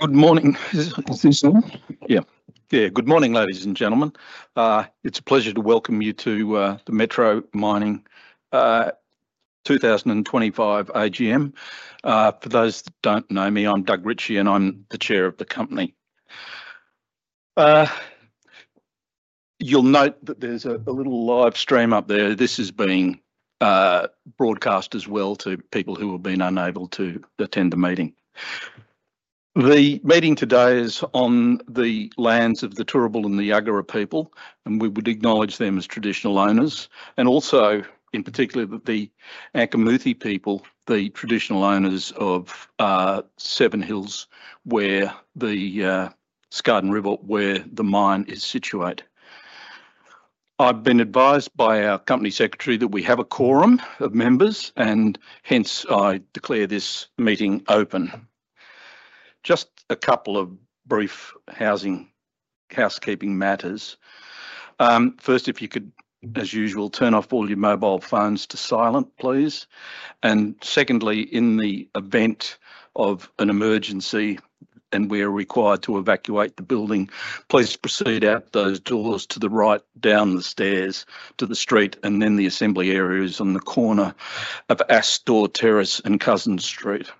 Good morning. Good morning, ladies and gentlemen. It's a pleasure to welcome you to the Metro Mining 2025 AGM. For those that don't know me, I'm Doug Ritchie, and I'm the chair of the company. You'll note that there's a little live stream up there. This is being broadcast as well to people who have been unable to attend the meeting. The meeting today is on the lands of the Turrbal and the Yugara people, and we would acknowledge them as traditional owners, and also in particular the Ankamuthi people, the traditional owners of Seven Hills, where the Scardon River, where the mine is situated. I've been advised by our company secretary that we have a quorum of members, and hence I declare this meeting open. Just a couple of brief housekeeping matters. First, if you could, as usual, turn off all your mobile phones to silent, please. Secondly, in the event of an emergency and we are required to evacuate the building, please proceed out those doors to the right, down the stairs to the street, and then the assembly area is on the corner of Astor Terrace and Cousins Street.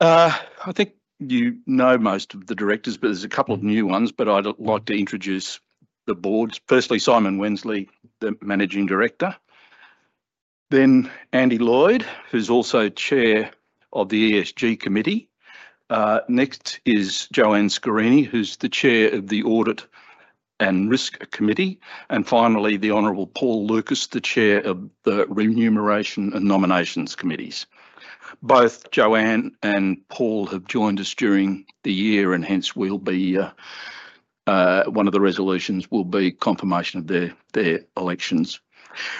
I think you know most of the directors, but there are a couple of new ones, but I'd like to introduce the board. Firstly, Simon Wensley, the Managing Director. Next, Andy Lloyd, who is also Chair of the ESG Committee. Next is Jo-Anne Scarini, who is the Chair of the Audit and Risk Committee. Finally, the Honourable Paul Lucas, the Chair of the Remuneration and Nominations Committees. Both Jo-Anne and Paul have joined us during the year, and hence one of the resolutions will be confirmation of their elections.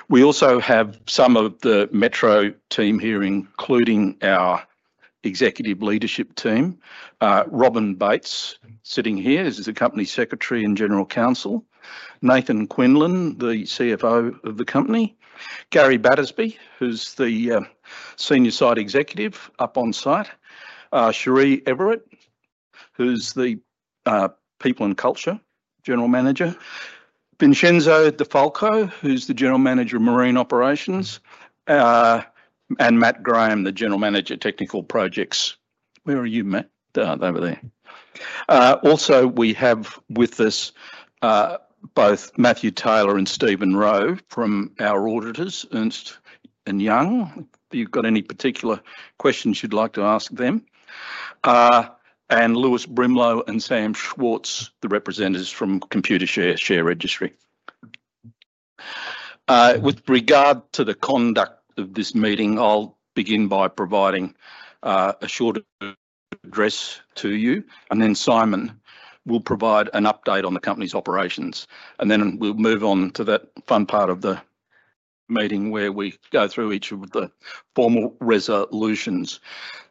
We also have some of the Metro team here, including our executive leadership team. Robin Bates sitting here is the Company Secretary and General Counsel. Nathan Quinlin, the CFO of the company. Gary Battensby, who's the Senior Site Executive up on site. Cherie Everett, who's the People and Culture General Manager. Vincenzo De Falco, who's the General Manager of Marine Operations, and Matt Graham, the General Manager of Technical Projects. Where are you, Matt? They were there. Also, we have with us both Matthew Taylor and Stephen Rowe from our auditors, Ernst & Young. If you've got any particular questions you'd like to ask them. And Louis Brimlow and Sam Schwartz, the representatives from Computershare Registry. With regard to the conduct of this meeting, I'll begin by providing a short address to you, and then Simon will provide an update on the company's operations. Then we'll move on to that fun part of the meeting where we go through each of the formal resolutions.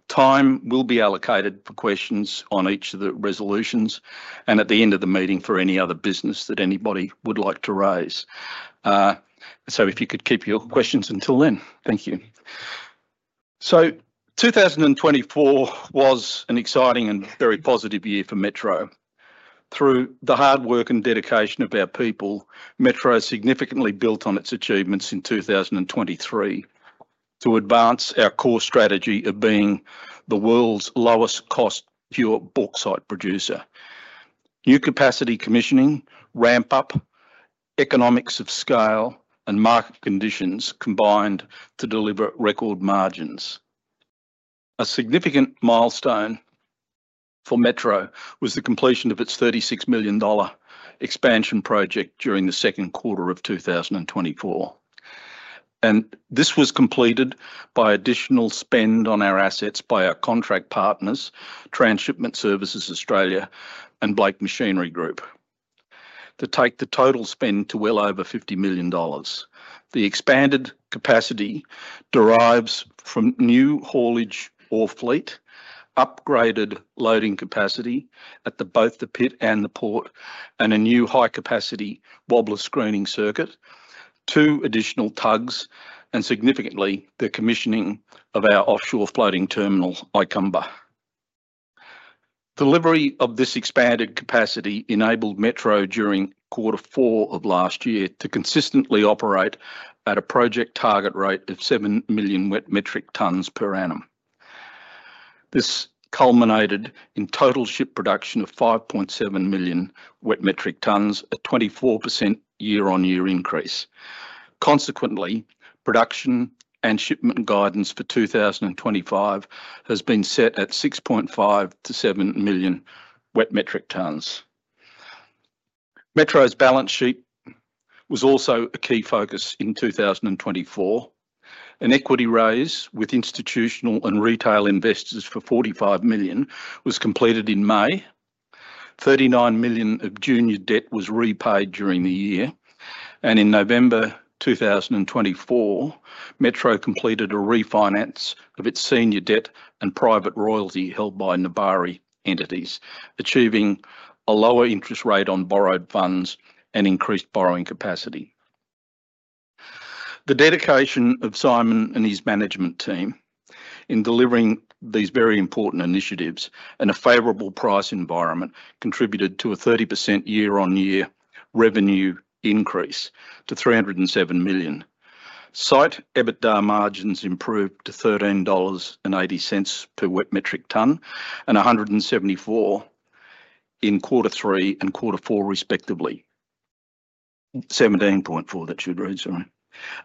Time will be allocated for questions on each of the resolutions, and at the end of the meeting for any other business that anybody would like to raise. If you could keep your questions until then, thank you. 2024 was an exciting and very positive year for Metro. Through the hard work and dedication of our people, Metro significantly built on its achievements in 2023 to advance our core strategy of being the world's lowest cost pure bauxite producer. New capacity commissioning, ramp-up, economics of scale, and market conditions combined to deliver record margins. A significant milestone for Metro was the completion of its 36 million dollar expansion project during the second quarter of 2024. This was completed by additional spend on our assets by our contract partners, Transhipment Services Australia and Blake Machinery Group, to take the total spend to well over 50 million dollars. The expanded capacity derives from new haulage or fleet, upgraded loading capacity at both the pit and the port, and a new high-capacity wobler screening circuit, two additional tugs, and significantly, the commissioning of our offshore floating terminal, Ikamba. Delivery of this expanded capacity enabled Metro during quarter four of last year to consistently operate at a project target rate of 7 million wet metric tons per annum. This culminated in total ship production of 5.7 million wet metric tons, a 24% year-on-year increase. Consequently, production and shipment guidance for 2025 has been set at 6.5-7 million wet metric tons. Metro's balance sheet was also a key focus in 2024. An equity raise with institutional and retail investors for 45 million was completed in May. 39 million of junior debt was repaid during the year. In November 2024, Metro completed a refinance of its senior debt and private royalty held by Nabari entities, achieving a lower interest rate on borrowed funds and increased borrowing capacity. The dedication of Simon and his management team in delivering these very important initiatives and a favorable price environment contributed to a 30% year-on-year revenue increase to 307 million. Site EBITDA margins improved to 13.80 dollars per wet metric ton and 17.40 in quarter three and quarter four, respectively.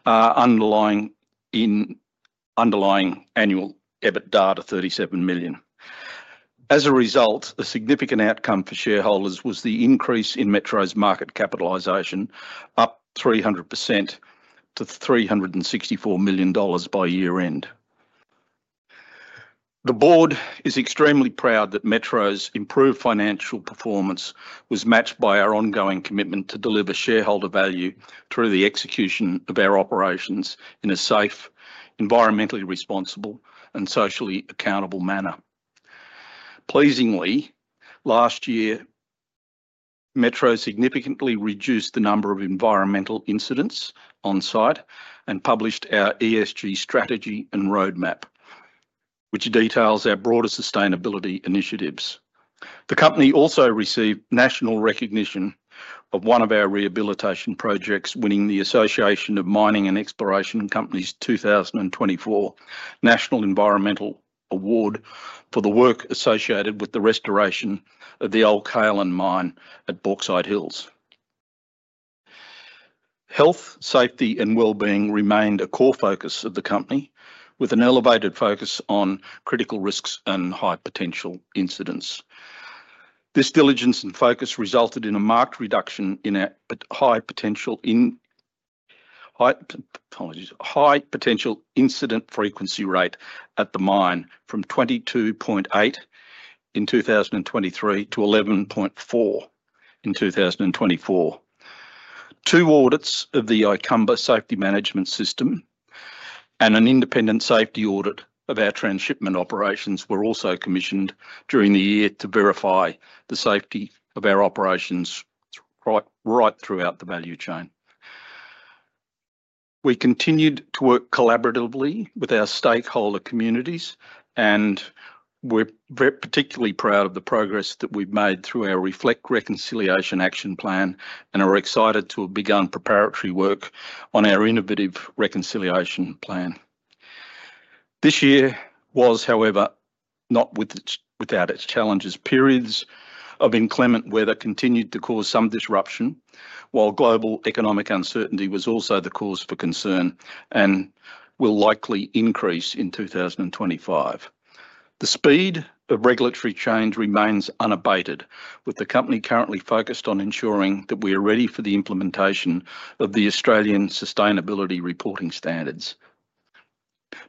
Underlying annual EBITDA to 37 million. As a result, a significant outcome for shareholders was the increase in Metro's market capitalisation, up 300% to 364 million dollars by year-end. The board is extremely proud that Metro's improved financial performance was matched by our ongoing commitment to deliver shareholder value through the execution of our operations in a safe, environmentally responsible, and socially accountable manner. Pleasingly, last year, Metro significantly reduced the number of environmental incidents on site and published our ESG strategy and roadmap, which details our broader sustainability initiatives. The company also received national recognition of one of our rehabilitation projects, winning the Association of Mining and Exploration Companies 2024 National Environmental Award for the work associated with the restoration of the Old Kalen Mine at Bauxite Hills. Health, safety, and well-being remained a core focus of the company, with an elevated focus on critical risks and high potential incidents. This diligence and focus resulted in a marked reduction in our high potential incident frequency rate at the mine from 22.8 in 2023 to 11.4 in 2024. Two audits of the Ikamba safety management system and an independent safety audit of our transshipment operations were also commissioned during the year to verify the safety of our operations right throughout the value chain. We continued to work collaboratively with our stakeholder communities, and we're particularly proud of the progress that we've made through our reflect reconciliation action plan and are excited to have begun preparatory work on our innovative reconciliation plan. This year was, however, not without its challenges. Periods of inclement weather continued to cause some disruption, while global economic uncertainty was also the cause for concern and will likely increase in 2025. The speed of regulatory change remains unabated, with the company currently focused on ensuring that we are ready for the implementation of the Australian Sustainability Reporting Standards.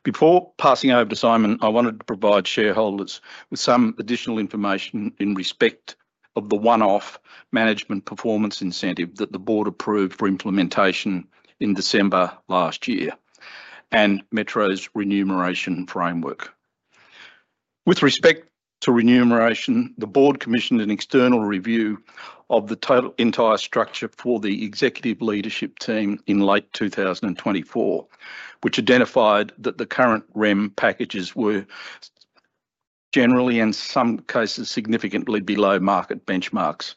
Before passing over to Simon, I wanted to provide shareholders with some additional information in respect of the one-off management performance incentive that the board approved for implementation in December last year, and Metro's remuneration framework. With respect to remuneration, the board commissioned an external review of the entire structure for the executive leadership team in late 2024, which identified that the current REM packages were generally, in some cases, significantly below market benchmarks.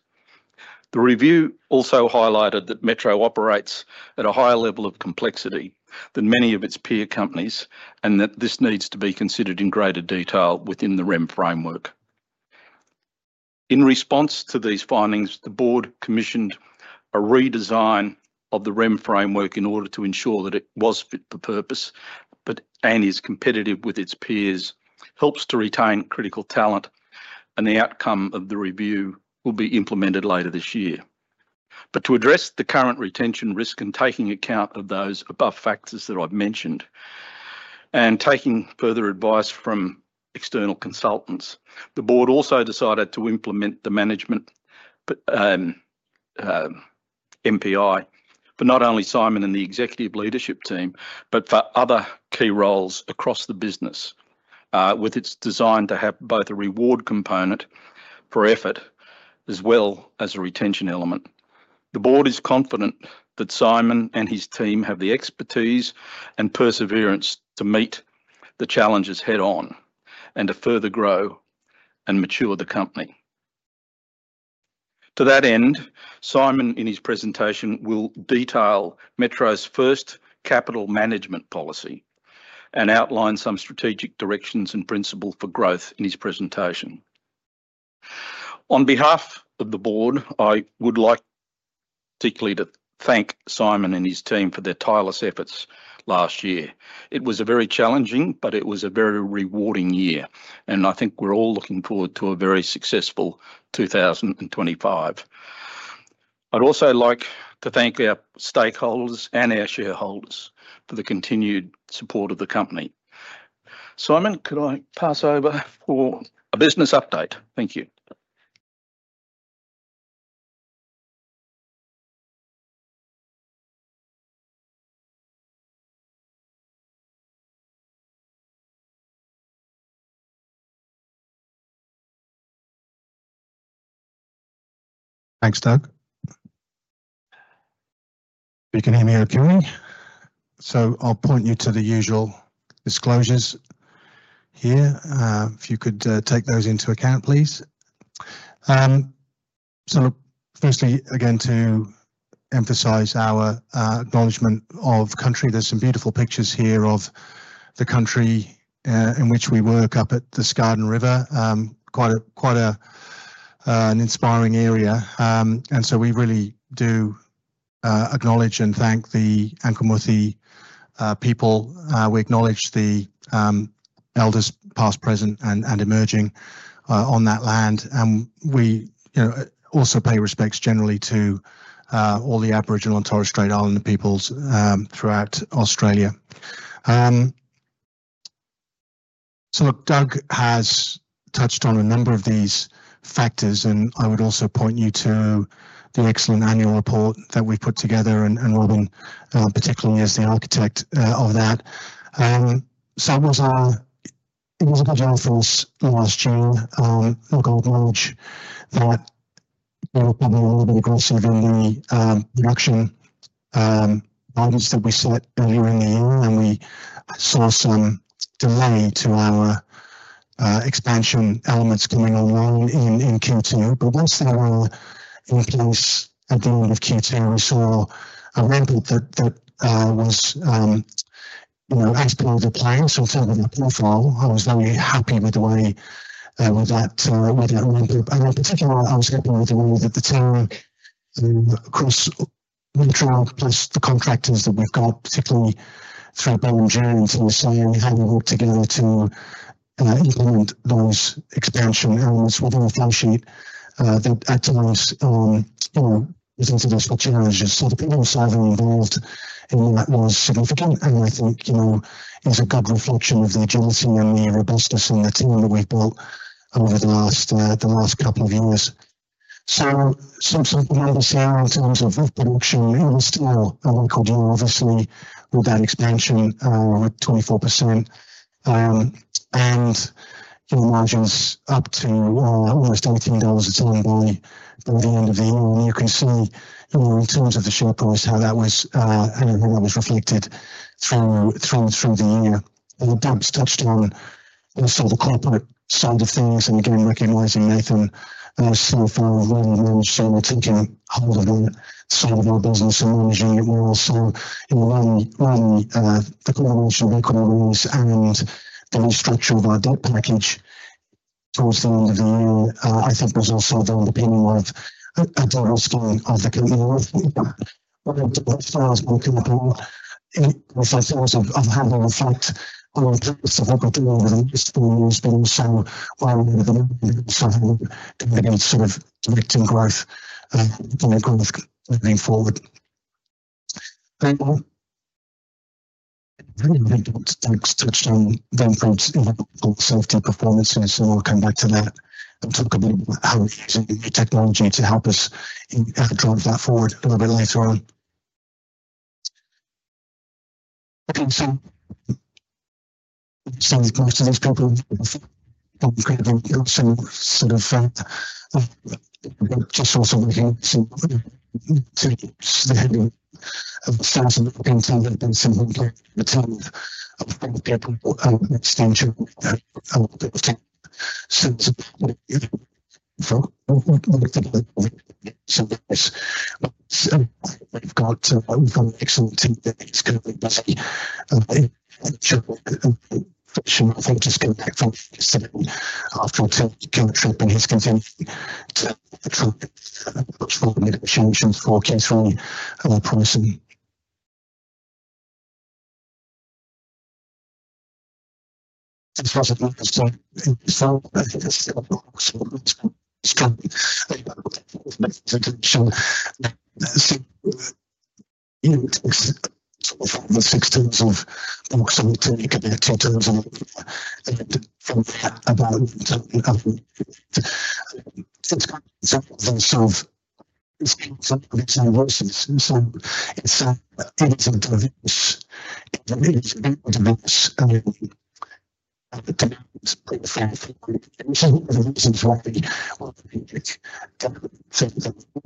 The review also highlighted that Metro operates at a higher level of complexity than many of its peer companies and that this needs to be considered in greater detail within the REM framework. In response to these findings, the board commissioned a redesign of the REM framework in order to ensure that it was fit for purpose and is competitive with its peers, helps to retain critical talent, and the outcome of the review will be implemented later this year. To address the current retention risk and taking account of those above factors that I've mentioned and taking further advice from external consultants, the board also decided to implement the management MPI for not only Simon and the executive leadership team, but for other key roles across the business, with its design to have both a reward component for effort as well as a retention element. The board is confident that Simon and his team have the expertise and perseverance to meet the challenges head-on and to further grow and mature the company. To that end, Simon in his presentation will detail Metro's 1st capital management policy and outline some strategic directions and principles for growth in his presentation. On behalf of the board, I would like particularly to thank Simon and his team for their tireless efforts last year. It was a very challenging, but it was a very rewarding year, and I think we're all looking forward to a very successful 2025. I'd also like to thank our stakeholders and our shareholders for the continued support of the company. Simon, could I pass over for a business update? Thank you. Thanks, Doug. You can hear me okay? I will point you to the usual disclosures here. If you could take those into account, please. Firstly, again, to emphasize our acknowledgment of country, there are some beautiful pictures here of the country in which we work up at the Skardon River, quite an inspiring area. We really do acknowledge and thank the Ankamuthi people. We acknowledge the elders past, present, and emerging on that land. We also pay respects generally to all the Aboriginal and Torres Strait Islander peoples throughout Australia. Doug has touched on a number of these factors, and I would also point you to the excellent annual report that we've put together, and Robin particularly as the architect of that. It was a good year for us last year, the golden age, that we were probably a little bit aggressive in the production targets that we set earlier in the year, and we saw some delay to our expansion elements coming online in Q2. Once they were in place at the end of Q2, we saw a ramp-up that was exported to plan. In terms of the profile, I was very happy with the way with that ramp-up. In particular, I was happy with the way that the team across Metro plus the contractors that we've got, particularly through Ben and Jerry from the CIA, how we worked together to implement those expansion elements within the fact sheet that at times was into this for challenges. The problem-solving involved in that was significant, and I think is a good reflection of the agility and the robustness and the team that we've built over the last couple of years. Some of the other things in terms of production, it was still a record year, obviously, with that expansion at 24% and margins up to almost 18 dollars a tonne by the end of the year. You can see in terms of the share price how that was and how that was reflected through the year. Doug's touched on also the corporate side of things, and again, recognizing Nathan and our CFO, we're taking hold of that side of our business and managing it well. In the end, the combination of equity rules and the restructure of our debt package towards the end of the year, I think, was also the underpinning of a de-risking of the company. What I've found is more critical, of course, I thought of how they reflect on the risks of what we're doing over the last four years, but also why we're moving forward to maybe sort of directing growth moving forward. Thank you. Doug's touched on the improved safety performances, and I'll come back to that and talk a bit about how we're using new technology to help us drive that forward a little bit later on. Most of these people are creating also sort of just also looking to the heading of Santa Lupe, and some people returned of the people extend to a little bit of time. We've got an excellent team that is currently busy in the fashion. I think just going back from yesterday after I told Coach Hopper he's continued to try to make changes for Q3 pricing. In terms of the six terms of focus on the tech, about two terms on the. From about. Since coming to terms with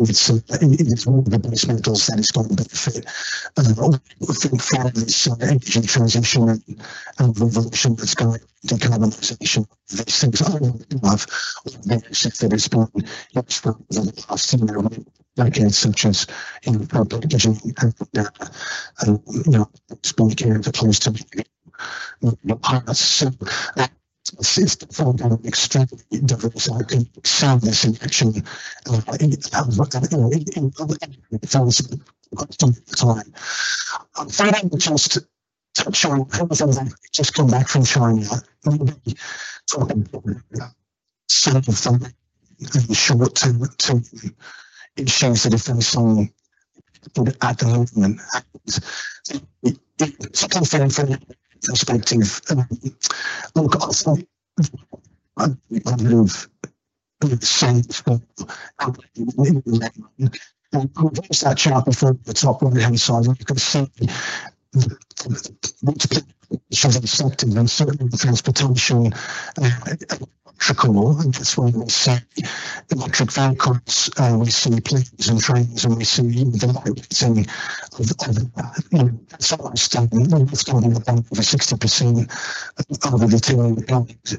this of. Is in its own voices. It is a diverse and it is a bit more diverse demand for the reasons why we want to make things that are more so it is more the basement or status quo that fit within this energy transition and revolution that's got decarbonisation. These things are more diverse if they respond much more than the last few decades, such as in public engineering and spike air that goes to the pilots. It's the fact that I'm extremely diverse. I can sell this in action in other areas of the time. I'm finding just touch on how things are just come back from China. Maybe talking about some of the short-term issues that are facing people at the moment. From a perspective, look, I've seen that chart before at the top right-hand side, and you can see multiple sectors, certainly transportation and electrical. That's where we see electric vehicles, we see planes and trains, and we see the lighting of that. That's almost less than 60% of the team.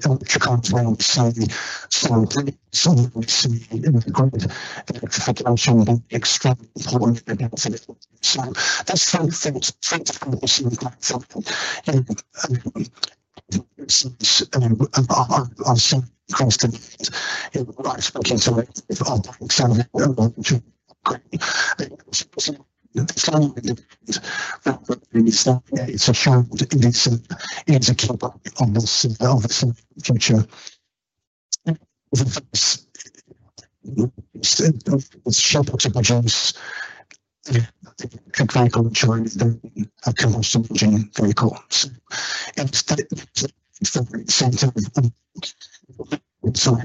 Electric cars, where we see some planes, and then we see grid electrification being extremely important in the back of it. That's 35% back from the size of our across the land. I'm speaking to our banks and to growth. Finally, the end, it's a shield in this ends of the future. It's shelter to produce a vehicle and charge a commercial engine vehicle. For the centre, it's a long distance. Actually, and it's called the cost of the citizen homes and the shelter place that becomes a commercial engine vehicle. So it's about the opportunity behind it. It's about to find much producing cars. So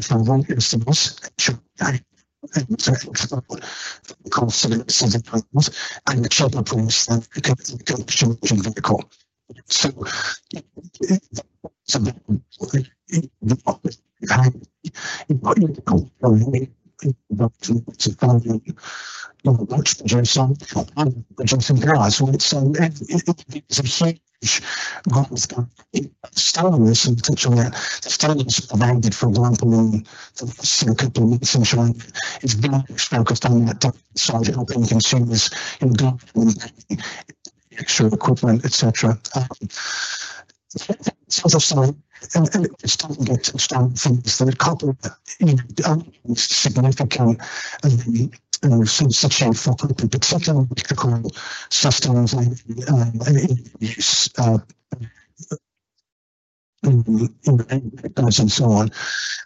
it's a huge growth gap. Stylus and touching that, the stylus provided, for example, in the last couple of months in China, is very focused on that side helping consumers in government, extra equipment, etc. It's starting to get to the start of things that are significantly substituting for equipment, but certainly electrical systems and in use. And so on.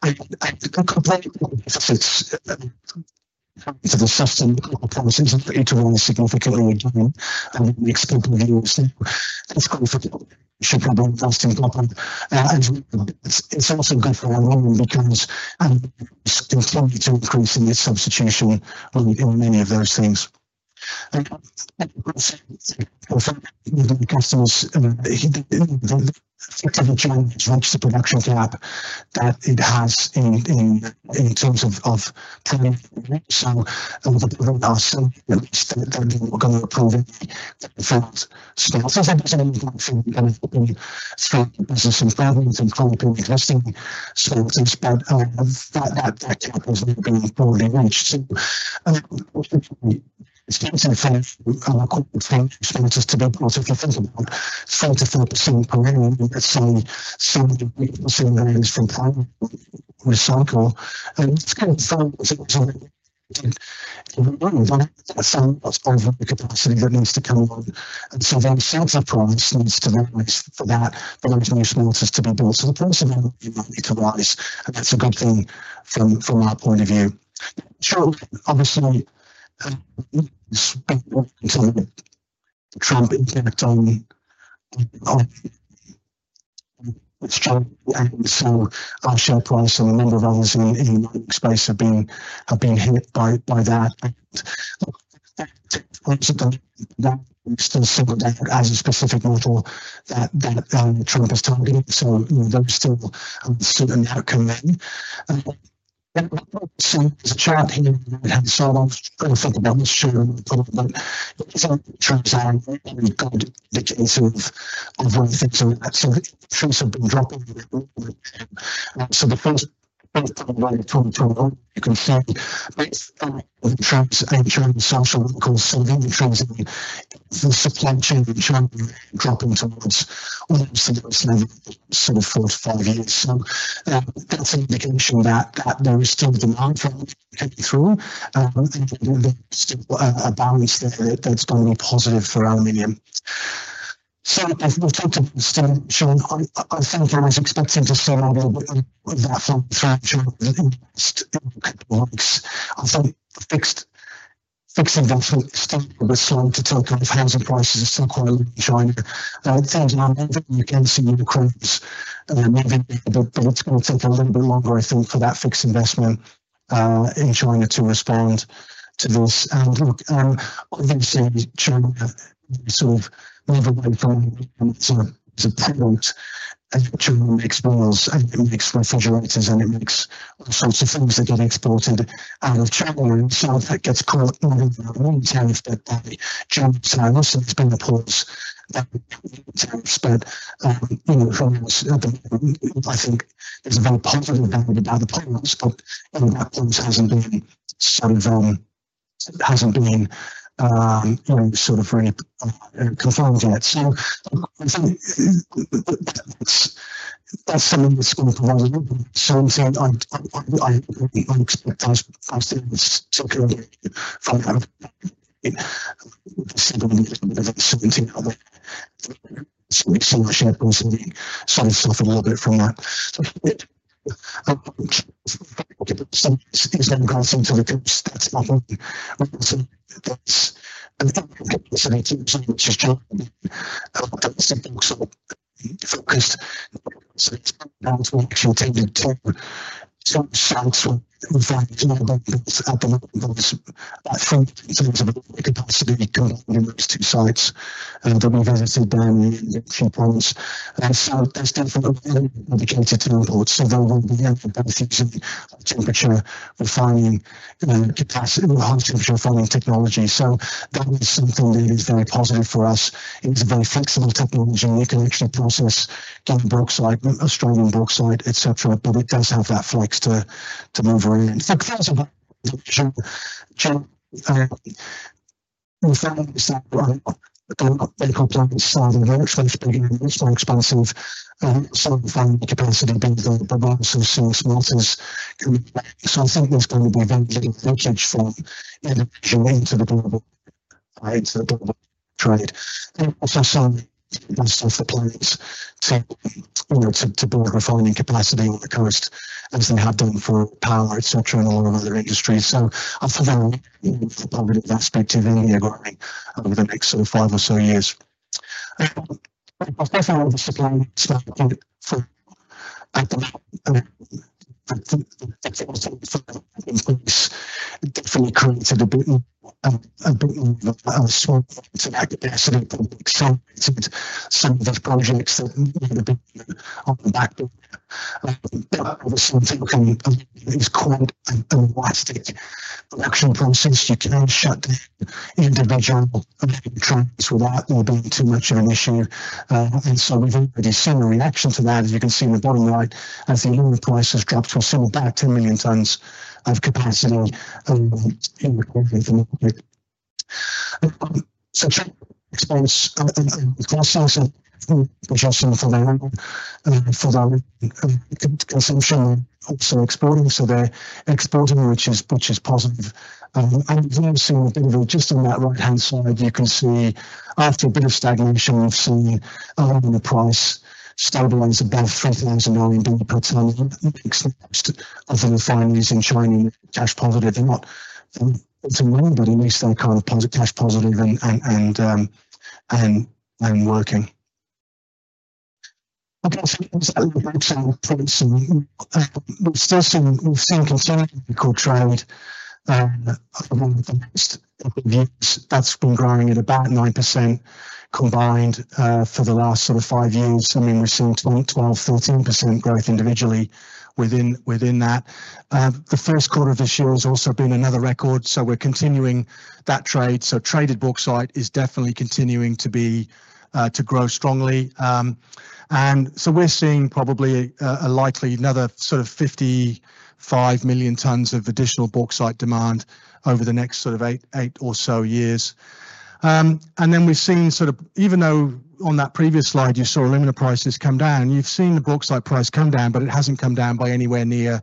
I completely deficits the system policies into a significantly again, and it makes people use that. It's going to should probably be lasting proper. It's also good for our money because there's continued increase in this substitution in many of those things. Of course, even customers, the effective challenge reached the production gap that it has in terms of planning. A lot of them are still at least that they're going to approve any funds. There is a lot of money from three businesses and five years in probably existing sponsors, but that gap is going to be probably reached. It is going to finish quarter three sponsors to be positive. You think about 35% per year, let's say, some of the recycling. It is going to find it is a little bit of a thing that is over the capacity that needs to come on. The central price needs to rise for that, for those new sponsors to be built. The price of energy might need to rise, and that is a good thing from our point of view. Sure, obviously, Trump impact on this change, and so our share price and a number of others in the mining space have been hit by that. That's still singled out as a specific model that Trump is targeting. There's still a certain outcome there. There's a chart here that has some think about this too, but it's in terms of good indicative of where things are at. Trees have been dropping a little bit. The 1st part of 2021, you can see that the trends in terms of social workers, so the entry in the supply chain in China dropping towards almost the lowest level in sort of four to five years. That's an indication that there is still demand for it to get through, and there's still a balance there that's going to be positive for aluminium. We've talked about still showing. I think I was expecting to see a little bit of that flow through in the next couple of weeks. I think fixed investment is still a bit slow to take off. Housing prices are still quite low in China. Things are moving. You can see Ukraine's moving, but it's going to take a little bit longer, I think, for that fixed investment in China to respond to this. Look, obviously, China sort of moved away from its a product, and it makes wheels, and it makes refrigerators, and it makes all sorts of things that get exported out of China. That gets caught in the retail that by June time. There's been a pause in terms, but who knows at the moment. I think there's a very positive vibe about the plans, but that plans hasn't been sort of confirmed yet. I think that's something that's going to provide a little bit of certainty. I expect us to be able to find out a little bit of uncertainty out there. We see our share price sort of suffer a little bit from that. It's been quite good. It's been grass into the goose. That's nothing. That's an incremental too, which is challenging. That's still sort of focused. It's actually tended to some sites where we find that it's at the level of about three in terms of the capacity combined in those two sites that we visited there in a few points. There's definitely indicated support. They will be able to both use temperature refining capacity or high temperature refining technology. That is something that is very positive for us. It is a very flexible technology. You can actually process Guinea bauxite, Australian bauxite, etc., but it does have that flex to move around. We found that vehicle plants are starting actually to begin to be much more expensive. Finding capacity is being the rise of small sponsors. I think there is going to be very little leakage from energy into the global trade. Also, some of the plans to build refining capacity on the coast, as they have done for power, etc., and a lot of other industries. I am for the positive aspect of India growing over the next sort of five or so years. I think the supply spike at the moment, the things that we've seen from the police definitely created a bit more of a small increase in that capacity that accelerated some of these projects that may have been on the back burner. Obviously, if you look at it, it's quite an elastic production process. You can shut down individual trains without there being too much of an issue. We've already seen a reaction to that, as you can see in the bottom right, as the oil prices dropped for about 10 million tons of capacity in the market. Expense costs, which are still for their own consumption, also exporting. They're exporting, which is positive. We've seen a bit of it just on that right-hand side. You can see after a bit of stagnation, we've seen a lot of the price stabilize above RMB 3,000 per tonne. It makes the most of the refineries in China cash positive. They're not losing money, but at least they're kind of cash positive and working. Okay, we've seen continued vehicle trade over the next couple of years. That's been growing at about 9% combined for the last sort of five years. I mean, we've seen 12-13% growth individually within that. The first quarter of this year has also been another record. We're continuing that trade. Traded bauxite is definitely continuing to grow strongly. We're seeing probably a likely another sort of 55 million tons of additional bauxite demand over the next sort of eight or so years. We have seen, even though on that previous slide you saw alumina prices come down, you have seen the bauxite price come down, but it has not come down by anywhere near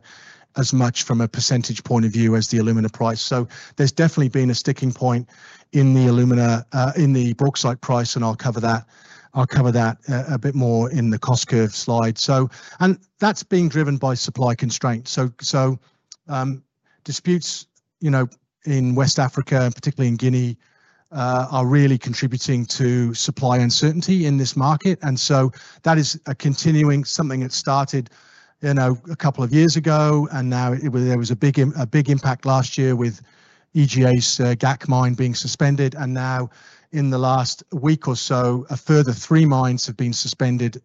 as much from a percentage point of view as the alumina price. There has definitely been a sticking point in the alumina, in the bauxite price, and I will cover that a bit more in the cost curve slide. That is being driven by supply constraints. Disputes in West Africa, particularly in Guinea, are really contributing to supply uncertainty in this market. That is a continuing something that started a couple of years ago, and now there was a big impact last year with EGA's GAC mine being suspended. Now in the last week or so, a further three mines have been suspended,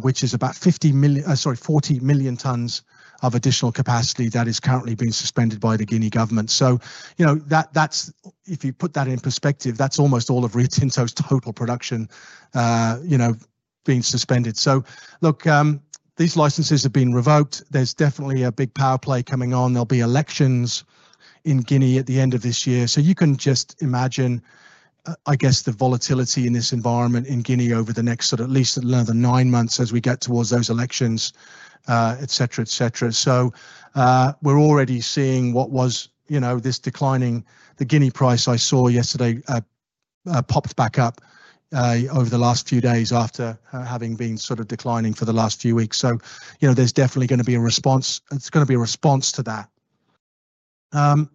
which is about 50 million, sorry, 40 million tons of additional capacity that is currently being suspended by the Guinea government. If you put that in perspective, that's almost all of Rio Tinto's total production being suspended. Look, these licenses have been revoked. There's definitely a big power play coming on. There will be elections in Guinea at the end of this year. You can just imagine, I guess, the volatility in this environment in Guinea over the next sort of at least another nine months as we get towards those elections, etc., etc. We're already seeing what was this declining. The Guinea price I saw yesterday popped back up over the last few days after having been sort of declining for the last few weeks. There is definitely going to be a response. It is going to be a response to that.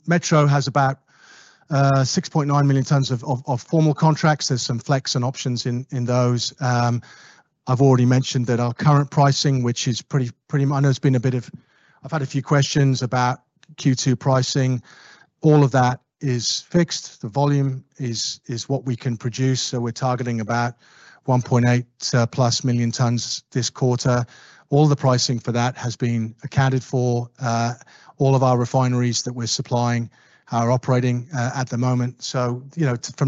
Metro has about 6.9 million tons of formal contracts. There is some flex and options in those. I have already mentioned that our current pricing, which is pretty much, I know it has been a bit of, I have had a few questions about Q2 pricing. All of that is fixed. The volume is what we can produce. We are targeting about 1.8 plus million tons this quarter. All the pricing for that has been accounted for. All of our refineries that we are supplying are operating at the moment. From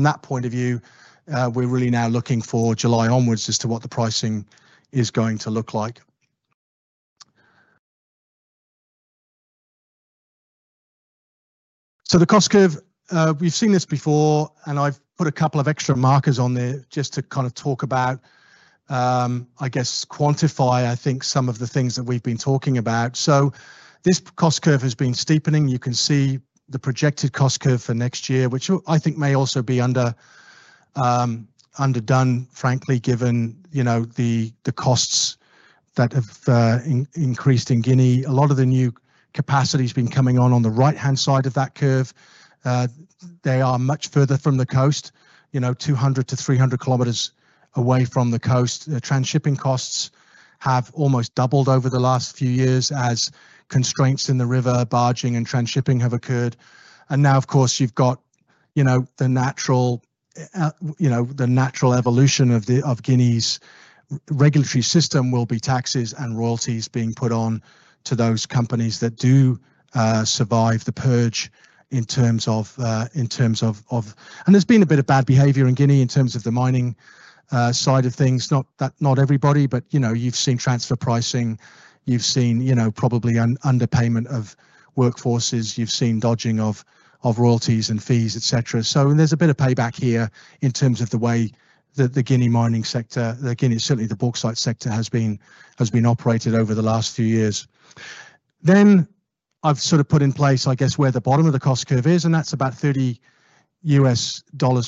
that point of view, we are really now looking for July onwards as to what the pricing is going to look like. The cost curve, we've seen this before, and I've put a couple of extra markers on there just to kind of talk about, I guess, quantify, I think, some of the things that we've been talking about. This cost curve has been steepening. You can see the projected cost curve for next year, which I think may also be underdone, frankly, given the costs that have increased in Guinea. A lot of the new capacity has been coming on on the right-hand side of that curve. They are much further from the coast, 200-300 km away from the coast. Transshipping costs have almost doubled over the last few years as constraints in the river, barging, and transshipping have occurred. Of course, you've got the natural evolution of Guinea's regulatory system. There will be taxes and royalties being put on to those companies that do survive the purge in terms of, in terms of, and there's been a bit of bad behavior in Guinea in terms of the mining side of things. Not everybody, but you've seen transfer pricing. You've seen probably underpayment of workforces. You've seen dodging of royalties and fees, etc. So there's a bit of payback here in terms of the way that the Guinea mining sector, the Guinea, certainly the bauxite sector, has been operated over the last few years. I have sort of put in place, I guess, where the bottom of the cost curve is, and that's about $30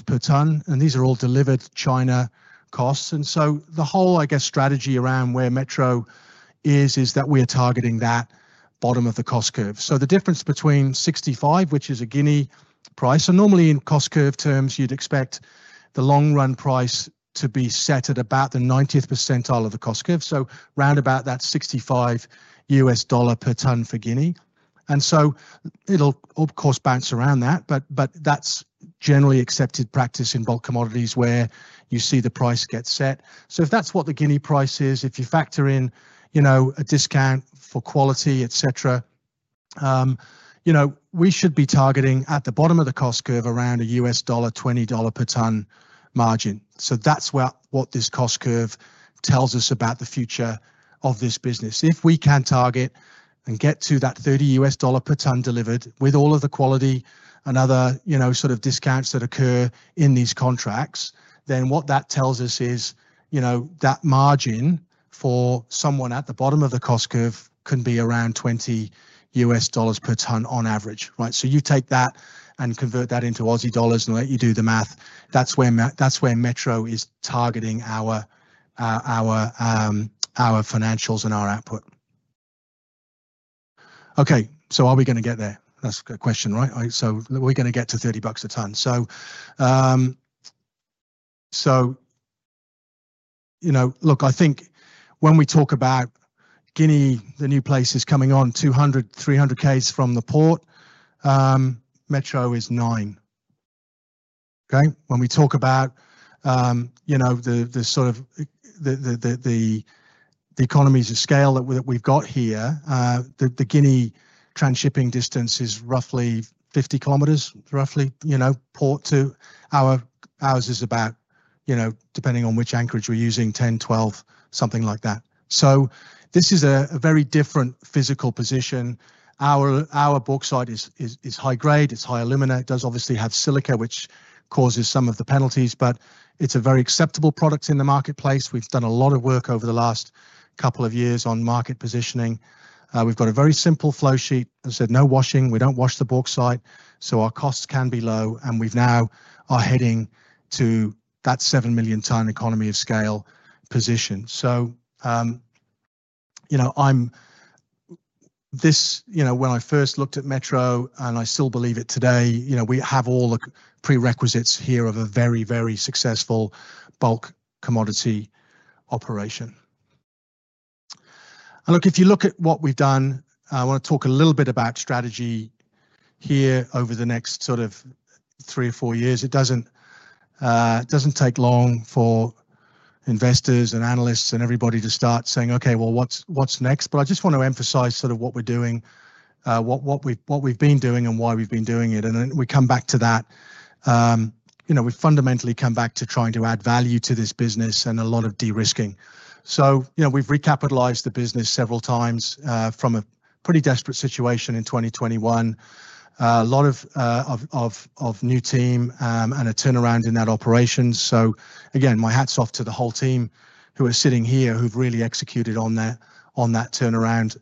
per tonne. These are all delivered China costs. The whole, I guess, strategy around where Metro is, is that we are targeting that bottom of the cost curve. The difference between $65, which is a Guinea price, and normally in cost curve terms, you'd expect the long run price to be set at about the 90th percentile of the cost curve. Round about that $65 per tonne for Guinea. It will, of course, bounce around that, but that's generally accepted practice in bulk commodities where you see the price get set. If that's what the Guinea price is, if you factor in a discount for quality, etc., we should be targeting at the bottom of the cost curve around a $20 per tonne margin. That's what this cost curve tells us about the future of this business. If we can target and get to that $30 per tonne delivered with all of the quality and other sort of discounts that occur in these contracts, then what that tells us is that margin for someone at the bottom of the cost curve can be around $20 per tonne on average. Right? You take that and convert that into Aussie Dollars and let you do the math. That is where Metro is targeting our financials and our output. Okay, are we going to get there? That is a good question, right? We are going to get to $30 bucks a tonne. Look, I think when we talk about Guinea, the new place is coming on 200-300 km from the port, Metro is nine. Okay? When we talk about the sort of the economies of scale that we've got here, the Guinea transshipping distance is roughly 50 km, roughly port to ours is about, depending on which anchorage we're using, 10, 12, something like that. This is a very different physical position. Our bauxite is high grade. It's high alumina. It does obviously have silica, which causes some of the penalties, but it's a very acceptable product in the marketplace. We've done a lot of work over the last couple of years on market positioning. We've got a very simple flow sheet. I said no washing. We don't wash the bauxite, so our costs can be low, and we've now are heading to that 7 million tonne economy of scale position. When I 1st looked at Metro, and I still believe it today, we have all the prerequisites here of a very, very successful bulk commodity operation. If you look at what we've done, I want to talk a little bit about strategy here over the next sort of three or four years. It doesn't take long for investors and analysts and everybody to start saying, "Okay, what's next?" I just want to emphasize what we're doing, what we've been doing, and why we've been doing it. We come back to that. We fundamentally come back to trying to add value to this business and a lot of de-risking. We've recapitalized the business several times from a pretty desperate situation in 2021, a lot of new team and a turnaround in that operation. Again, my hats off to the whole team who are sitting here who've really executed on that turnaround.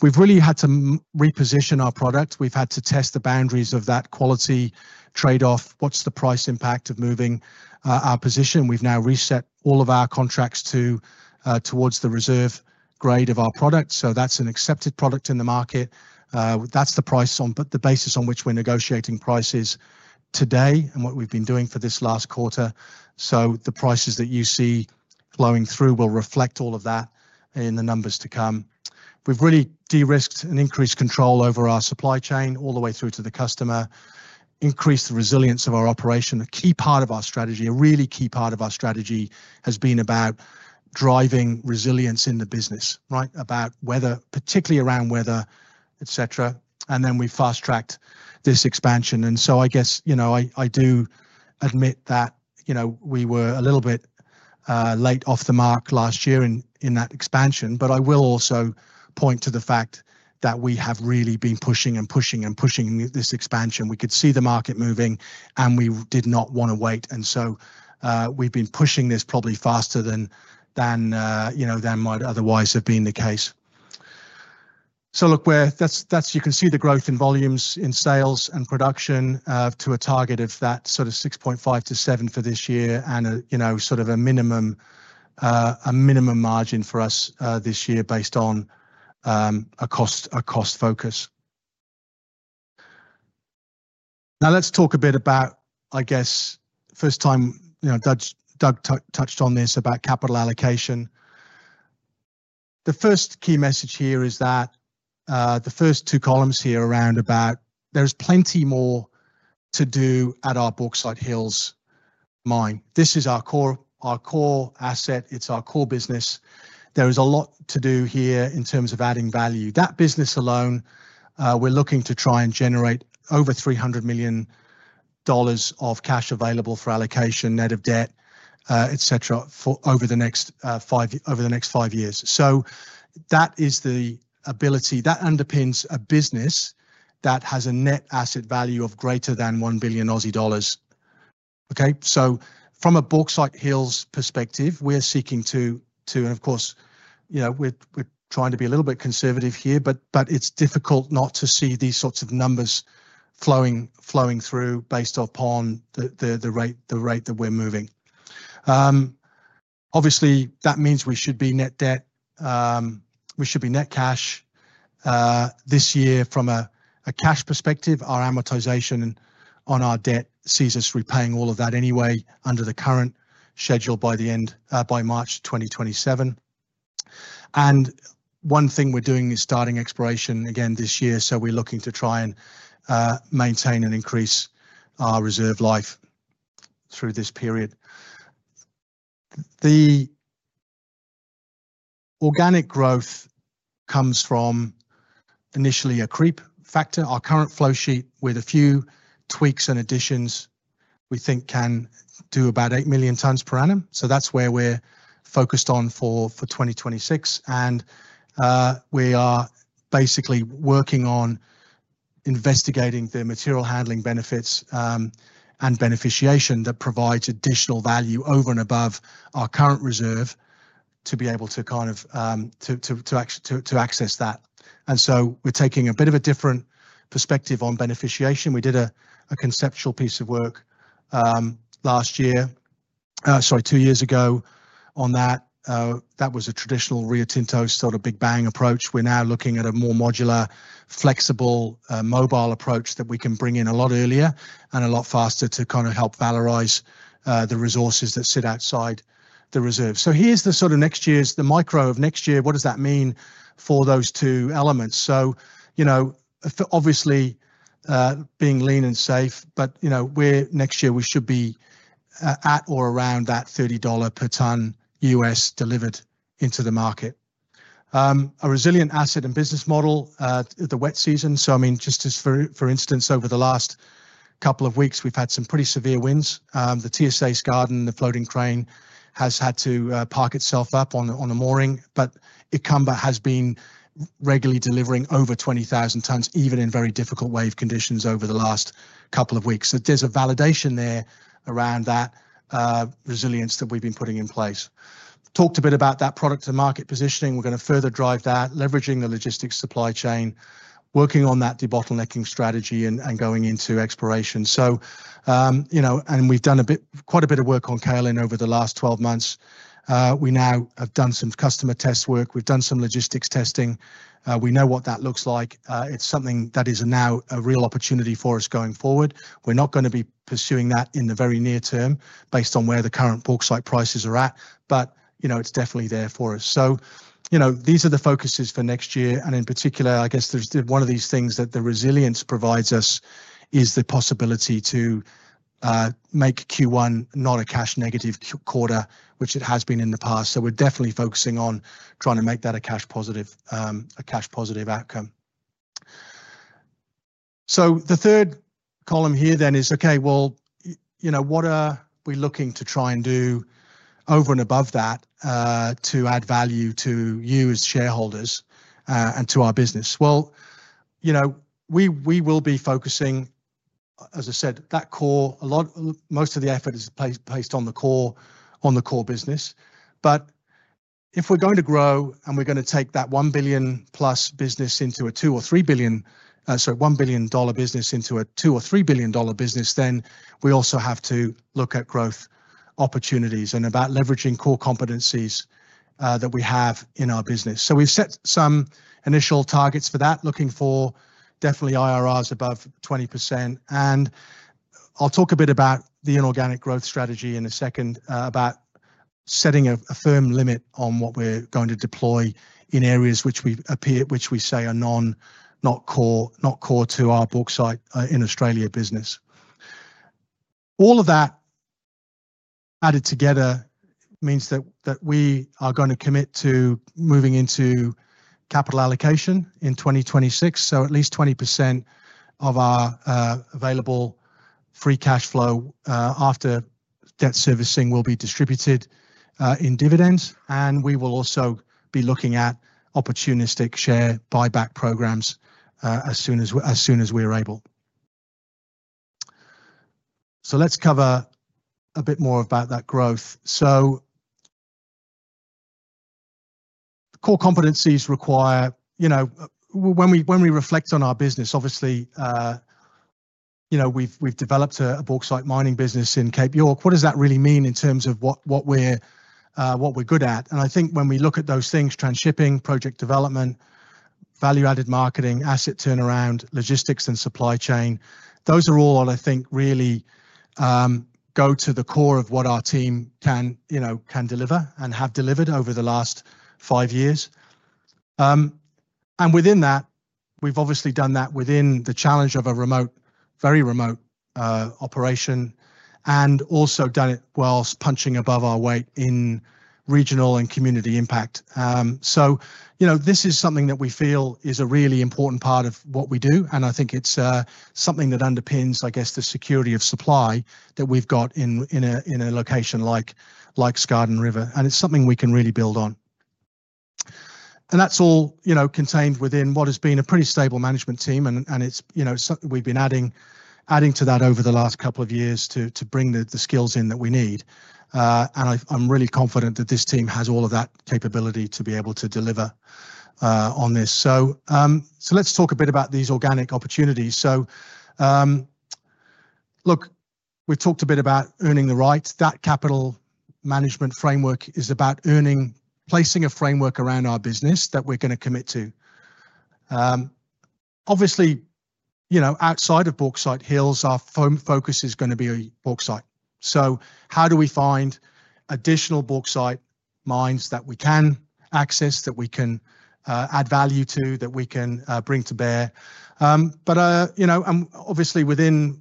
We've really had to reposition our product. We've had to test the boundaries of that quality trade-off. What's the price impact of moving our position? We've now reset all of our contracts towards the reserve grade of our product. That's an accepted product in the market. That's the price on the basis on which we're negotiating prices today and what we've been doing for this last quarter. The prices that you see flowing through will reflect all of that in the numbers to come. We've really de-risked and increased control over our supply chain all the way through to the customer, increased the resilience of our operation. A key part of our strategy, a really key part of our strategy, has been about driving resilience in the business, right? About weather, particularly around weather, etc. Then we fast-tracked this expansion. I guess I do admit that we were a little bit late off the mark last year in that expansion, but I will also point to the fact that we have really been pushing and pushing and pushing this expansion. We could see the market moving, and we did not want to wait. We have been pushing this probably faster than might otherwise have been the case. You can see the growth in volumes, in sales and production to a target of that sort of 6.5-7 for this year and sort of a minimum margin for us this year based on a cost focus. Now let's talk a bit about, I guess, 1st time Doug touched on this about capital allocation. The 1st key message here is that the 1st two columns here around about there's plenty more to do at our Bauxite Hills Mine. This is our core asset. It's our core business. There is a lot to do here in terms of adding value. That business alone, we're looking to try and generate over 300 million dollars of cash available for allocation, net of debt, etc., over the next five years. That is the ability that underpins a business that has a net asset value of greater than 1 billion Aussie dollars. Okay? From a Bauxite Hills perspective, we're seeking to, and of course, we're trying to be a little bit conservative here, but it's difficult not to see these sorts of numbers flowing through based upon the rate that we're moving. Obviously, that means we should be net debt. We should be net cash. This year, from a cash perspective, our amortization on our debt sees us repaying all of that anyway under the current schedule by the end, by March 2027. One thing we're doing is starting exploration again this year. We are looking to try and maintain and increase our reserve life through this period. The organic growth comes from initially a creep factor. Our current flow sheet with a few tweaks and additions, we think can do about 8 million tons per annum. That is where we're focused on for 2026. We are basically working on investigating the material handling benefits and beneficiation that provides additional value over and above our current reserve to be able to kind of to access that. We are taking a bit of a different perspective on beneficiation. We did a conceptual piece of work last year, sorry, two years ago on that. That was a traditional Rio Tinto sort of big bang approach. We're now looking at a more modular, flexible, mobile approach that we can bring in a lot earlier and a lot faster to kind of help valorise the resources that sit outside the reserve. Here's the sort of next year's, the micro of next year. What does that mean for those two elements? Obviously, being lean and safe, but next year, we should be at or around that $30 per tonne US delivered into the market. A resilient asset and business model, the wet season. I mean, just for instance, over the last couple of weeks, we've had some pretty severe winds. The TSA's garden, the floating crane has had to park itself up on the mooring, but Ikamba has been regularly delivering over 20,000 tonnes, even in very difficult wave conditions over the last couple of weeks. There is a validation there around that resilience that we have been putting in place. Talked a bit about that product and market positioning. We are going to further drive that, leveraging the logistics supply chain, working on that debottlenecking strategy and going into exploration. We have done quite a bit of work on kaolin over the last 12 months. We now have done some customer test work. We have done some logistics testing. We know what that looks like. It is something that is now a real opportunity for us going forward. We're not going to be pursuing that in the very near term based on where the current bauxite prices are at, but it's definitely there for us. These are the focuses for next year. In particular, I guess one of these things that the resilience provides us is the possibility to make Q1 not a cash negative quarter, which it has been in the past. We're definitely focusing on trying to make that a cash positive outcome. The 3rd column here then is, okay, what are we looking to try and do over and above that to add value to you as shareholders and to our business? We will be focusing, as I said, that core. Most of the effort is placed on the core business. If we're going to grow and we're going to take that $1 billion plus business into a $2 billion-$3 billion, sorry, $1 billion business into a $2 billion-$3 billion business, then we also have to look at growth opportunities and about leveraging core competencies that we have in our business. We have set some initial targets for that, looking for definitely IRRs above 20%. I'll talk a bit about the inorganic growth strategy in a second, about setting a firm limit on what we're going to deploy in areas which we say are not core to our bauxite in Australia business. All of that added together means that we are going to commit to moving into capital allocation in 2026. At least 20% of our available free cash flow after debt servicing will be distributed in dividends. We will also be looking at opportunistic share buyback programs as soon as we are able. Let's cover a bit more about that growth. Core competencies require, when we reflect on our business, obviously, we've developed a bauxite mining business in Cape York. What does that really mean in terms of what we're good at? I think when we look at those things, transshipping, project development, value-added marketing, asset turnaround, logistics, and supply chain, those are all, I think, really go to the core of what our team can deliver and have delivered over the last five years. Within that, we've obviously done that within the challenge of a very remote operation and also done it whilst punching above our weight in regional and community impact. This is something that we feel is a really important part of what we do. I think it's something that underpins, I guess, the security of supply that we've got in a location like Scardon River. It's something we can really build on. That's all contained within what has been a pretty stable management team. We've been adding to that over the last couple of years to bring the skills in that we need. I'm really confident that this team has all of that capability to be able to deliver on this. Let's talk a bit about these organic opportunities. Look, we've talked a bit about earning the right. That capital management framework is about earning, placing a framework around our business that we're going to commit to. Obviously, outside of Bauxite Hills, our focus is going to be bauxite. How do we find additional bauxite mines that we can access, that we can add value to, that we can bring to bear? Obviously, within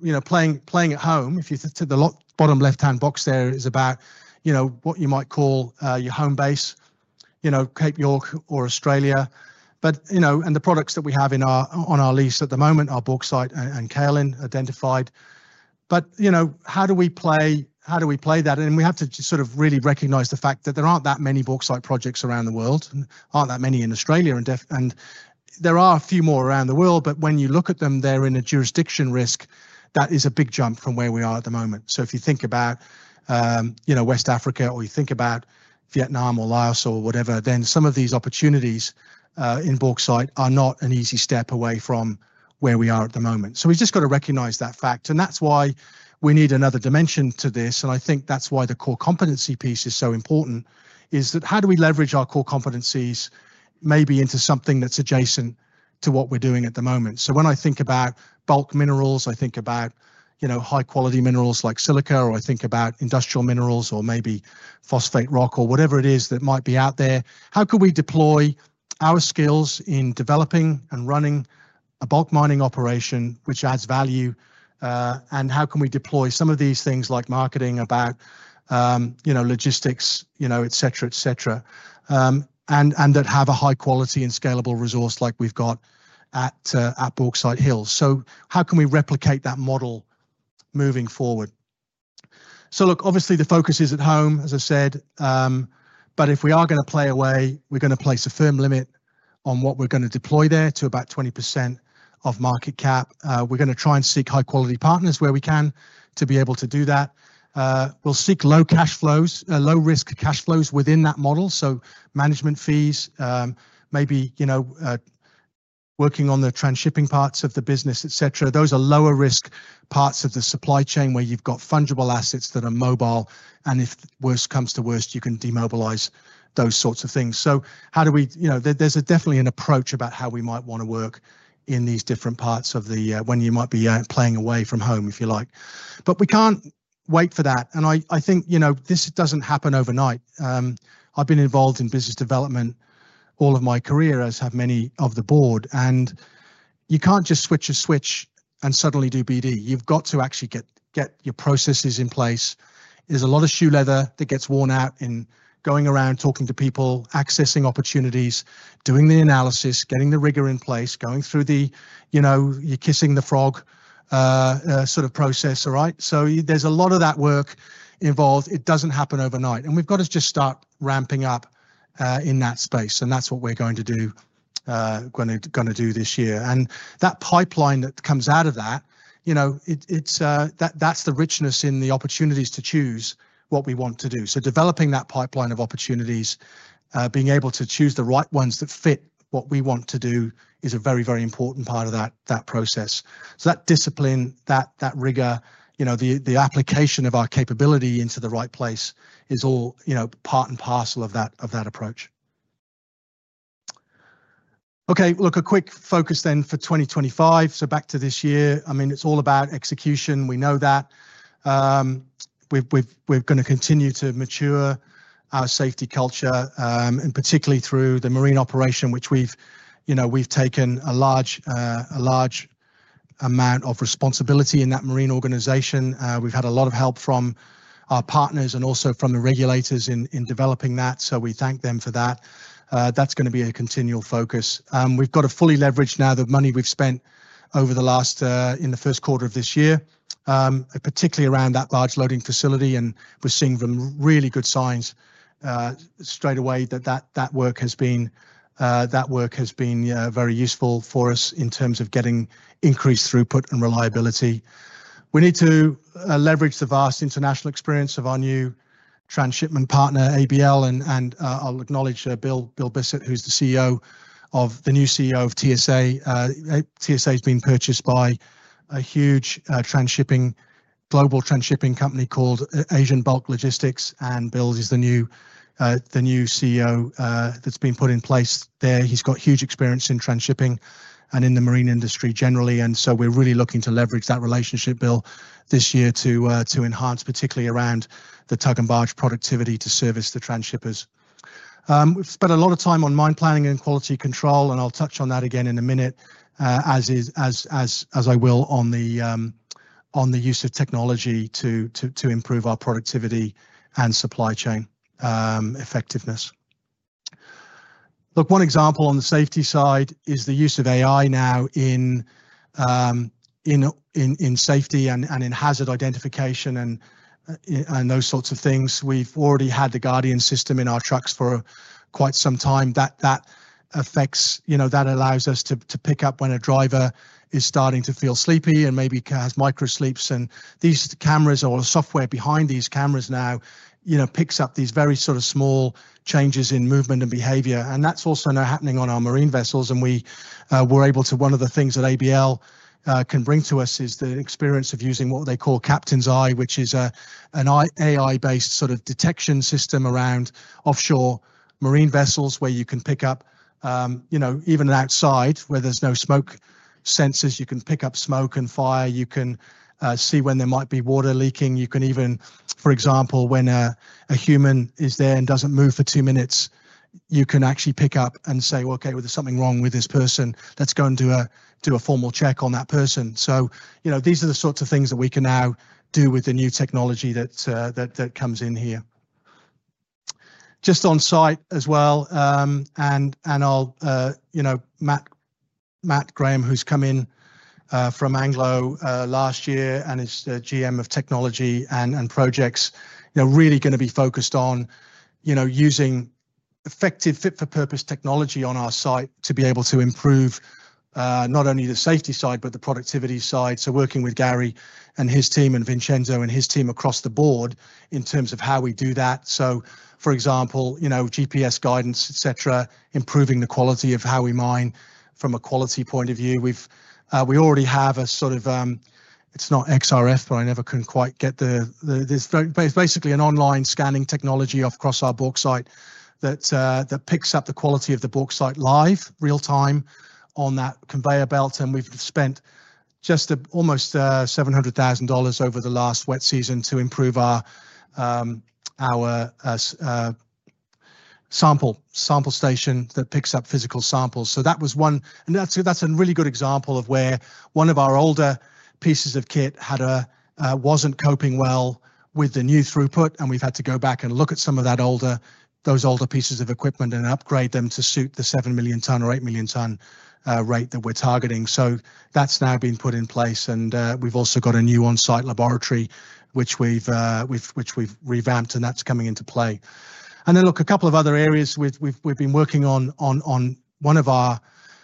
playing at home, if you took the bottom left-hand box there, it's about what you might call your home base, Cape York or Australia. The products that we have on our lease at the moment are bauxite and kaolin identified. How do we play? How do we play that? We have to sort of really recognize the fact that there aren't that many bauxite projects around the world, aren't that many in Australia. There are a few more around the world, but when you look at them, they're in a jurisdiction risk that is a big jump from where we are at the moment. If you think about West Africa or you think about Vietnam or Laos or whatever, then some of these opportunities in bauxite are not an easy step away from where we are at the moment. We just have to recognize that fact. That is why we need another dimension to this. I think that is why the core competency piece is so important, is that how do we leverage our core competencies maybe into something that is adjacent to what we are doing at the moment? When I think about bulk minerals, I think about high-quality minerals like silica, or I think about industrial minerals or maybe phosphate rock or whatever it is that might be out there. How could we deploy our skills in developing and running a bulk mining operation which adds value? How can we deploy some of these things like marketing, about logistics, etc., etc., and that have a high-quality and scalable resource like we've got at Bauxite Hills? How can we replicate that model moving forward? Look, obviously, the focus is at home, as I said. If we are going to play away, we're going to place a firm limit on what we're going to deploy there to about 20% of market cap. We're going to try and seek high-quality partners where we can to be able to do that. We'll seek low-risk cash flows within that model. Management fees, maybe working on the transshipping parts of the business, etc. Those are lower-risk parts of the supply chain where you've got fungible assets that are mobile. If worse comes to worst, you can demobilize those sorts of things. How do we? There's definitely an approach about how we might want to work in these different parts of the, when you might be playing away from home, if you like. We can't wait for that. I think this doesn't happen overnight. I've been involved in business development all of my career, as have many of the board. You can't just switch a switch and suddenly do BD. You've got to actually get your processes in place. There's a lot of shoe leather that gets worn out in going around talking to people, accessing opportunities, doing the analysis, getting the rigour in place, going through the kissing the frog sort of process, all right? There's a lot of that work involved. It doesn't happen overnight. We've got to just start ramping up in that space. That's what we're going to do, going to do this year. That pipeline that comes out of that, that's the richness in the opportunities to choose what we want to do. Developing that pipeline of opportunities, being able to choose the right ones that fit what we want to do is a very, very important part of that process. That discipline, that rigor, the application of our capability into the right place is all part and parcel of that approach. Okay. A quick focus then for 2025. Back to this year. I mean, it's all about execution. We know that. We're going to continue to mature our safety culture, and particularly through the marine operation, which we've taken a large amount of responsibility in that marine organization. We've had a lot of help from our partners and also from the regulators in developing that. We thank them for that. That's going to be a continual focus. We've got to fully leverage now the money we've spent over the last in the first quarter of this year, particularly around that large loading facility. We're seeing some really good signs straight away that that work has been very useful for us in terms of getting increased throughput and reliability. We need to leverage the vast international experience of our new transshipment partner, ABL. I'll acknowledge Bill Bisset, who's the CEO of the new CEO of TSA. TSA has been purchased by a huge global transshipping company called Asian Bulk Logistics. Bill is the new CEO that's been put in place there. He's got huge experience in transshipping and in the marine industry generally. We are really looking to leverage that relationship, Bill, this year to enhance, particularly around the tug and barge productivity to service the transshippers. We have spent a lot of time on mine planning and quality control. I will touch on that again in a minute, as I will on the use of technology to improve our productivity and supply chain effectiveness. Look, one example on the safety side is the use of AI now in safety and in hazard identification and those sorts of things. We have already had the Guardian system in our trucks for quite some time. That allows us to pick up when a driver is starting to feel sleepy and maybe has micro sleeps. These cameras or software behind these cameras now pick up these very small changes in movement and behavior. That is also now happening on our marine vessels. We were able to, one of the things that ABL can bring to us is the experience of using what they call Captain's Eye, which is an AI-based sort of detection system around offshore marine vessels where you can pick up even outside where there's no smoke sensors. You can pick up smoke and fire. You can see when there might be water leaking. You can even, for example, when a human is there and doesn't move for two minutes, you can actually pick up and say, "Okay, well, there's something wrong with this person. Let's go and do a formal check on that person." These are the sorts of things that we can now do with the new technology that comes in here. Just on site as well. Matt Graham, who's come in from Anglo last year and is the GM of technology and projects, is really going to be focused on using effective fit-for-purpose technology on our site to be able to improve not only the safety side but the productivity side. Working with Gary and his team and Vincenzo and his team across the board in terms of how we do that. For example, GPS guidance, etc., improving the quality of how we mine from a quality point of view. We already have a sort of it's not XRF, but I never can quite get the it's basically an online scanning technology across our bauxite that picks up the quality of the bauxite live, real-time on that conveyor belt. We've spent just almost 700,000 dollars over the last wet season to improve our sample station that picks up physical samples. That was one. That is a really good example of where one of our older pieces of kit was not coping well with the new throughput. We have had to go back and look at some of those older pieces of equipment and upgrade them to suit the 7 million-ton or 8 million-ton rate that we are targeting. That has now been put in place. We have also got a new on-site laboratory, which we have revamped, and that is coming into play. A couple of other areas we have been working on—one of our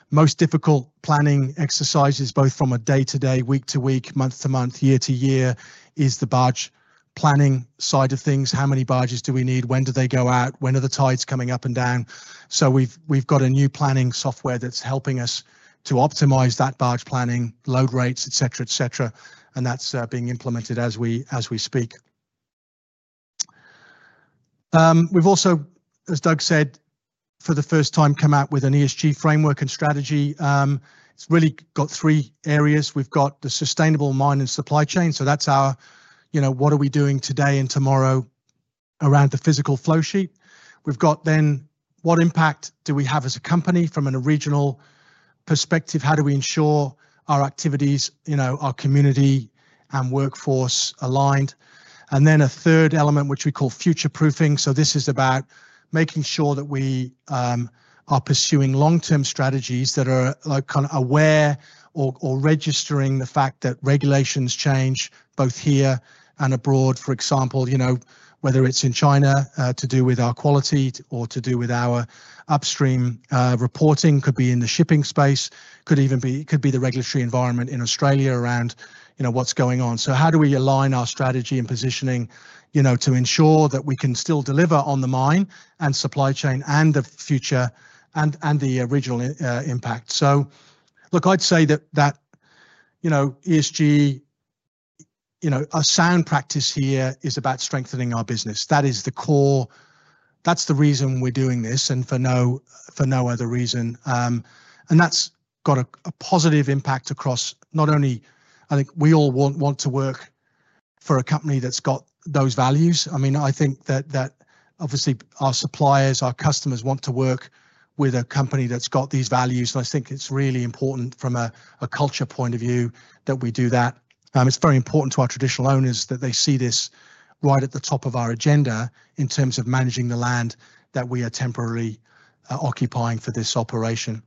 most difficult planning exercises, both from a day-to-day, week-to-week, month-to-month, year-to-year perspective—is the barge planning side of things. How many barges do we need? When do they go out? When are the tides coming up and down? We have got a new planning software that is helping us to optimize that barge planning, load rates, etc., etc. That is being implemented as we speak. We have also, as Doug said, for the 1st time, come out with an ESG framework and strategy. It has really got three areas. We have the sustainable mine and supply chain. That is our what are we doing today and tomorrow around the physical flowsheet. We have then what impact do we have as a company from an original perspective. How do we ensure our activities, our community, and workforce are aligned. Then a 3rd element, which we call future proofing. This is about making sure that we are pursuing long-term strategies that are kind of aware or registering the fact that regulations change both here and abroad. For example, whether it's in China to do with our quality or to do with our upstream reporting, could be in the shipping space, could even be the regulatory environment in Australia around what's going on. How do we align our strategy and positioning to ensure that we can still deliver on the mine and supply chain and the future and the original impact? Look, I'd say that ESG, our sound practice here is about strengthening our business. That is the core. That's the reason we're doing this and for no other reason. That's got a positive impact across not only I think we all want to work for a company that's got those values. I mean, I think that obviously our suppliers, our customers want to work with a company that's got these values. I think it's really important from a culture point of view that we do that. It's very important to our traditional owners that they see this right at the top of our agenda in terms of managing the land that we are temporarily occupying for this operation.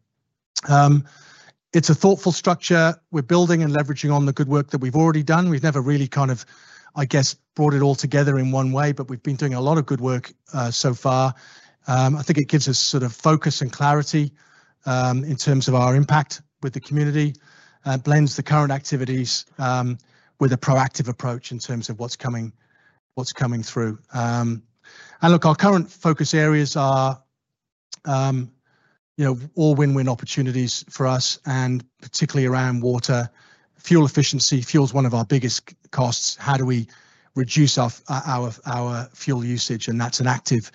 It's a thoughtful structure. We're building and leveraging on the good work that we've already done. We've never really kind of, I guess, brought it all together in one way, but we've been doing a lot of good work so far. I think it gives us sort of focus and clarity in terms of our impact with the community and blends the current activities with a proactive approach in terms of what's coming through. Our current focus areas are all win-win opportunities for us, and particularly around water. Fuel efficiency fuels one of our biggest costs. How do we reduce our fuel usage? That is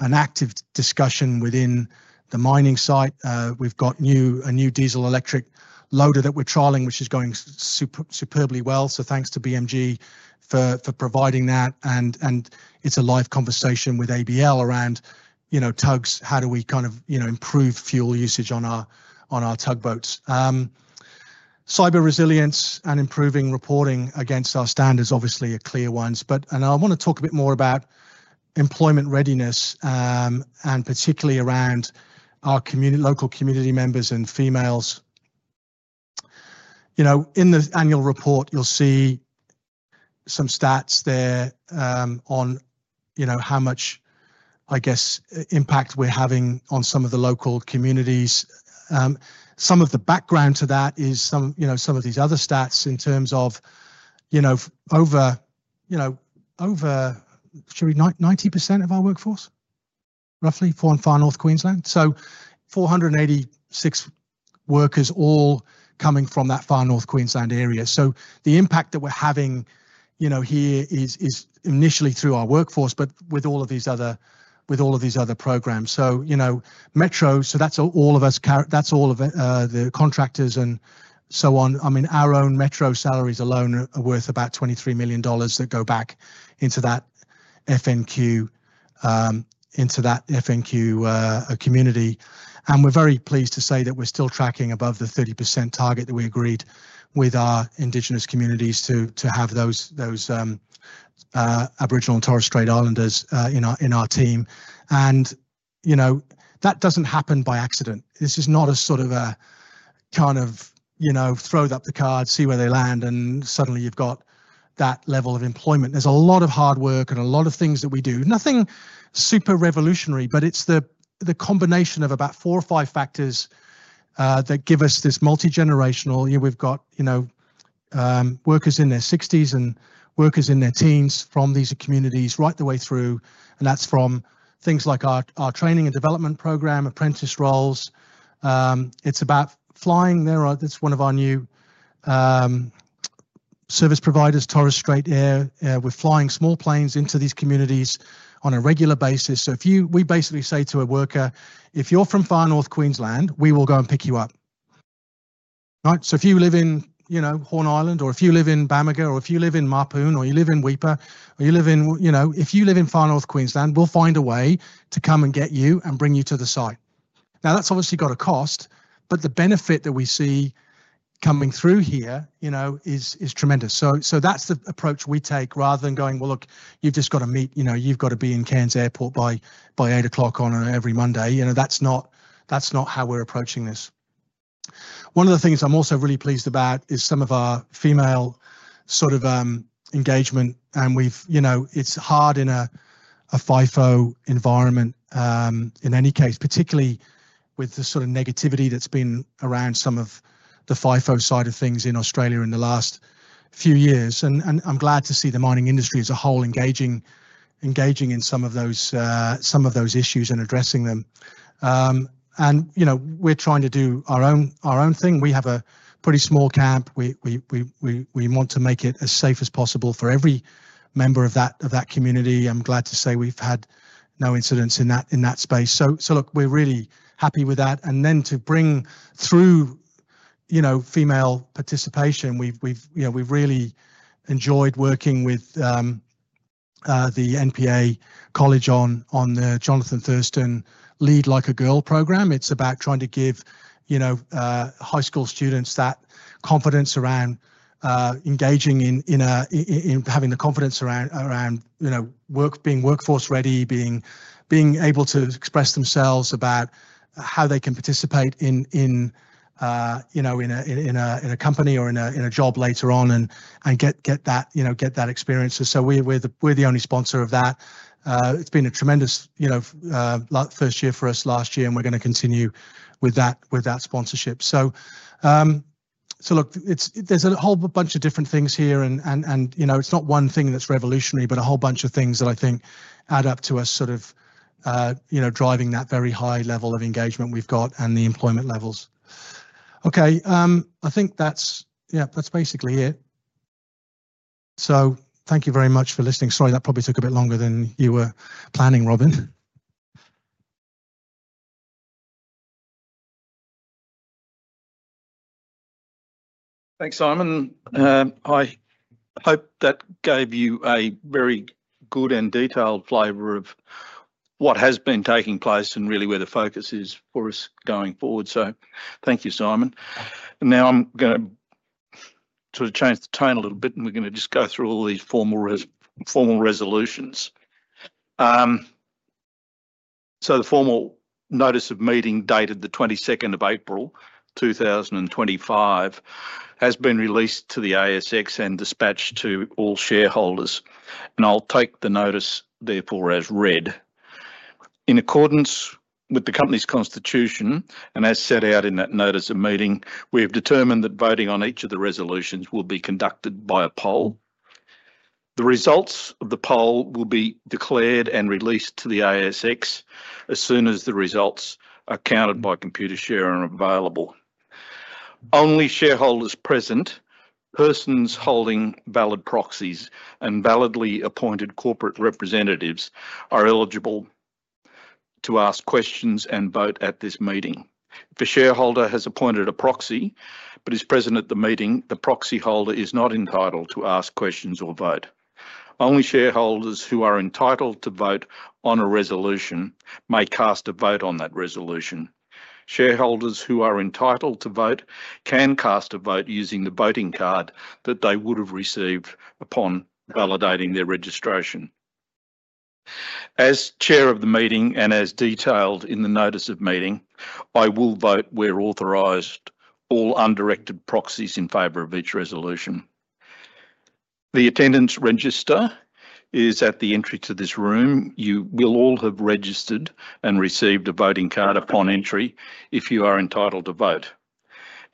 an active discussion within the mining site. We have got a new diesel electric loader that we are trialling, which is going superbly well. Thanks to BMG for providing that. It is a live conversation with ABL around tugs. How do we kind of improve fuel usage on our tugboats? Cyber resilience and improving reporting against our standards obviously are clear ones. I want to talk a bit more about employment readiness and particularly around our local community members and females. In the annual report, you will see some stats there on how much, I guess, impact we are having on some of the local communities. Some of the background to that is some of these other stats in terms of over, should we say, 90% of our workforce, roughly, for Far North Queensland? are 486 workers all coming from that Far North Queensland area. The impact that we're having here is initially through our workforce, but with all of these other programs. Metro, that's all of us, that's all of the contractors and so on. I mean, our own Metro salaries alone are worth about 23 million dollars that go back into that FNQ, into that FNQ community. We're very pleased to say that we're still tracking above the 30% target that we agreed with our Indigenous communities to have those Aboriginal and Torres Strait Islanders in our team. That doesn't happen by accident. This is not a sort of a kind of throw up the card, see where they land, and suddenly you've got that level of employment. There's a lot of hard work and a lot of things that we do. Nothing super revolutionary, but it's the combination of about four or five factors that give us this multi-generational. We've got workers in their 60s and workers in their teens from these communities right the way through. That's from things like our training and development program, apprentice roles. It's about flying. That's one of our new service providers, Torres Strait Air. We're flying small planes into these communities on a regular basis. We basically say to a worker, "If you're from Far North Queensland, we will go and pick you up." Right? If you live in Horn Island or if you live in Bamaga or if you live in Mapoon or you live in Weipa or if you live in Far North Queensland, we'll find a way to come and get you and bring you to the site. Now, that's obviously got a cost, but the benefit that we see coming through here is tremendous. That's the approach we take rather than going, "Well, look, you've just got to meet. You've got to be in Cairns Airport by 8:00 A.M. on every Monday." That's not how we're approaching this. One of the things I'm also really pleased about is some of our female sort of engagement. It's hard in a FIFO environment in any case, particularly with the sort of negativity that's been around some of the FIFO side of things in Australia in the last few years. I'm glad to see the mining industry as a whole engaging in some of those issues and addressing them. We're trying to do our own thing. We have a pretty small camp. We want to make it as safe as possible for every member of that community. I'm glad to say we've had no incidents in that space. Look, we're really happy with that. To bring through female participation, we've really enjoyed working with the NPA College on the Johnathan Thurston Lead Like a Girl program. It's about trying to give high school students that confidence around engaging in having the confidence around being workforce ready, being able to express themselves about how they can participate in a company or in a job later on and get that experience. We're the only sponsor of that. It's been a tremendous 1st year for us last year, and we're going to continue with that sponsorship. So look, there's a whole bunch of different things here, and it's not one thing that's revolutionary, but a whole bunch of things that I think add up to us sort of driving that very high level of engagement we've got and the employment levels. Okay. I think that's basically it. Thank you very much for listening. Sorry, that probably took a bit longer than you were planning, Robin. Thanks, Simon. I hope that gave you a very good and detailed flavour of what has been taking place and really where the focus is for us going forward. Thank you, Simon. Now I'm going to sort of change the tone a little bit, and we're going to just go through all these formal resolutions. The formal notice of meeting dated the 22nd of April 2025 has been released to the ASX and dispatched to all shareholders. I will take the notice, therefore, as read. In accordance with the company's constitution and as set out in that notice of meeting, we have determined that voting on each of the resolutions will be conducted by a poll. The results of the poll will be declared and released to the ASX as soon as the results are counted by Computershare and available. Only shareholders present, persons holding valid proxies, and validly appointed corporate representatives are eligible to ask questions and vote at this meeting. If a shareholder has appointed a proxy but is present at the meeting, the proxy holder is not entitled to ask questions or vote. Only shareholders who are entitled to vote on a resolution may cast a vote on that resolution. Shareholders who are entitled to vote can cast a vote using the voting card that they would have received upon validating their registration. As chair of the meeting and as detailed in the notice of meeting, I will vote where authorized all undirected proxies in favor of each resolution. The attendance register is at the entry to this room. You will all have registered and received a voting card upon entry if you are entitled to vote.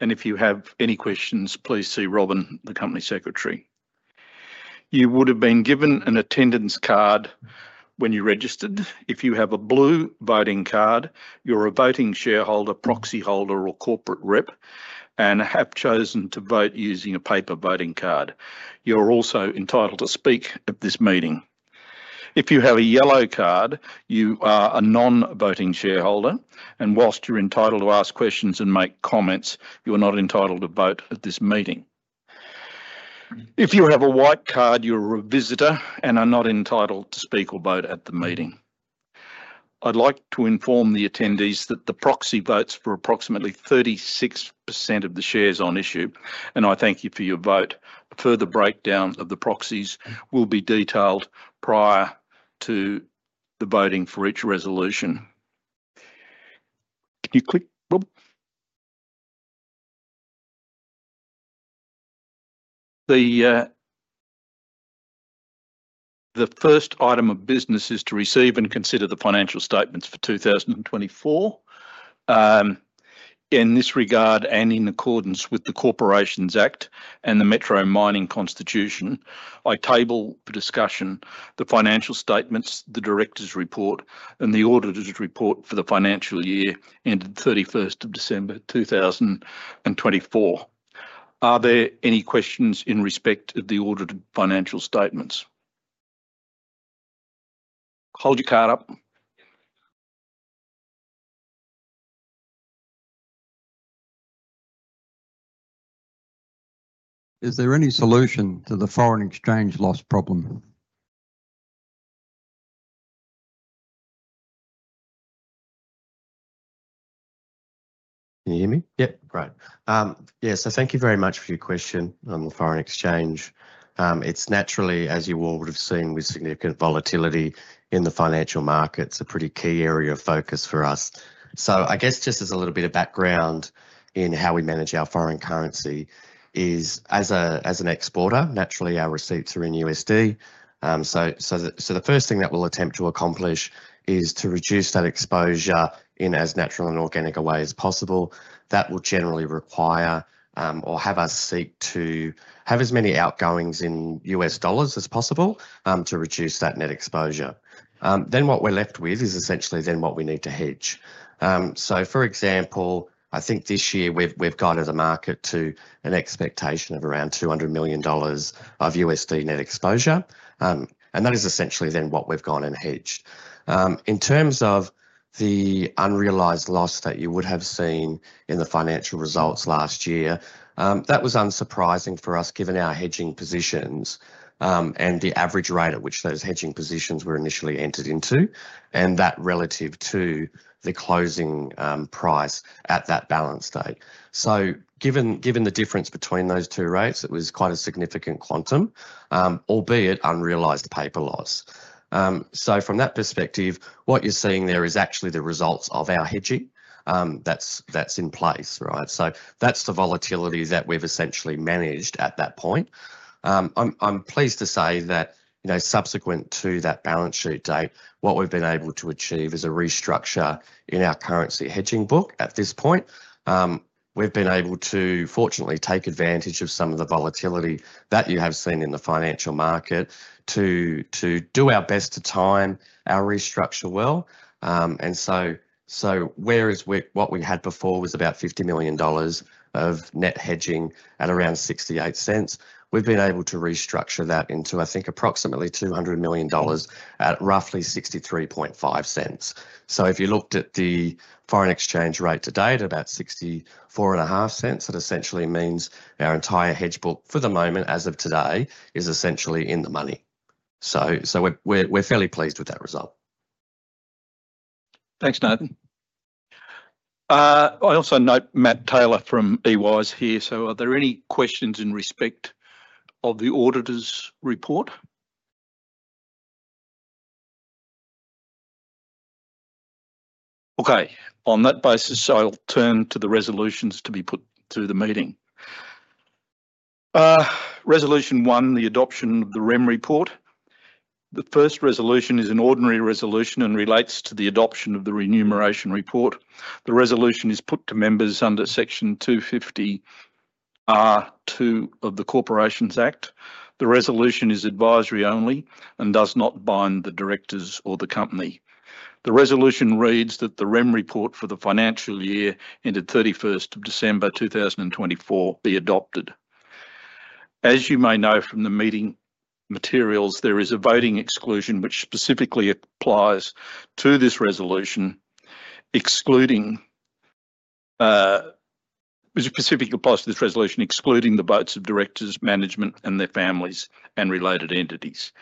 If you have any questions, please see Robin, the company secretary. You would have been given an attendance card when you registered. If you have a blue voting card, you are a voting shareholder, proxy holder, or corporate rep and have chosen to vote using a paper voting card. You are also entitled to speak at this meeting. If you have a yellow card, you are a non-voting shareholder. Whilst you are entitled to ask questions and make comments, you are not entitled to vote at this meeting. If you have a white card, you're a visitor and are not entitled to speak or vote at the meeting. I'd like to inform the attendees that the proxy votes for approximately 36% of the shares on issue, and I thank you for your vote. Further breakdown of the proxies will be detailed prior to the voting for each resolution. Can you click? The 1st item of business is to receive and consider the financial statements for 2024. In this regard and in accordance with the Corporations Act and the Metro Mining Constitution, I table for discussion the financial statements, the director's report, and the auditor's report for the financial year ended 31st of December 2024. Are there any questions in respect of the audited financial statements? Hold your card up. Is there any solution to the foreign exchange loss problem? Can you hear me? Yep. Great. Yeah. Thank you very much for your question on the foreign exchange. It's naturally, as you all would have seen, with significant volatility in the financial markets, a pretty key area of focus for us. I guess just as a little bit of background in how we manage our foreign currency is, as an exporter, naturally, our receipts are in USD. The 1st thing that we'll attempt to accomplish is to reduce that exposure in as natural and organic a way as possible. That will generally require or have us seek to have as many outgoings in USD as possible to reduce that net exposure. What we're left with is essentially then what we need to hedge. For example, I think this year we've gone to the market to an expectation of around $200 million of USD net exposure. That is essentially then what we've gone and hedged. In terms of the unrealized loss that you would have seen in the financial results last year, that was unsurprising for us given our hedging positions and the average rate at which those hedging positions were initially entered into and that relative to the closing price at that balance sheet date. Given the difference between those two rates, it was quite a significant quantum, albeit unrealized paper loss. From that perspective, what you're seeing there is actually the results of our hedging that's in place, right? That is the volatility that we've essentially managed at that point. I'm pleased to say that subsequent to that balance sheet date, what we've been able to achieve is a restructure in our currency hedging book at this point. have been able to, fortunately, take advantage of some of the volatility that you have seen in the financial market to do our best to time our restructure well. Whereas what we had before was about $50 million of net hedging at around $0.68, we have been able to restructure that into, I think, approximately $200 million at roughly $0.635. If you looked at the foreign exchange rate today, at about $0.645, it essentially means our entire hedge book for the moment as of today is essentially in the money. We are fairly pleased with that result. Thanks, Nathan. I also note Matt Taylor from Ernst & Young is here. Are there any questions in respect of the auditor's report? Okay. On that basis, I will turn to the resolutions to be put through the meeting. Resolution one, the adoption of the Remuneration Report. The 1st resolution is an ordinary resolution and relates to the adoption of the remuneration report. The resolution is put to members under Section 250(2) of the Corporations Act. The resolution is advisory only and does not bind the directors or the company. The resolution reads that the remuneration report for the financial year ended 31st of December 2024 be adopted. As you may know from the meeting materials, there is a voting exclusion which specifically applies to this resolution, excluding the votes of directors, management, and their families and related entities.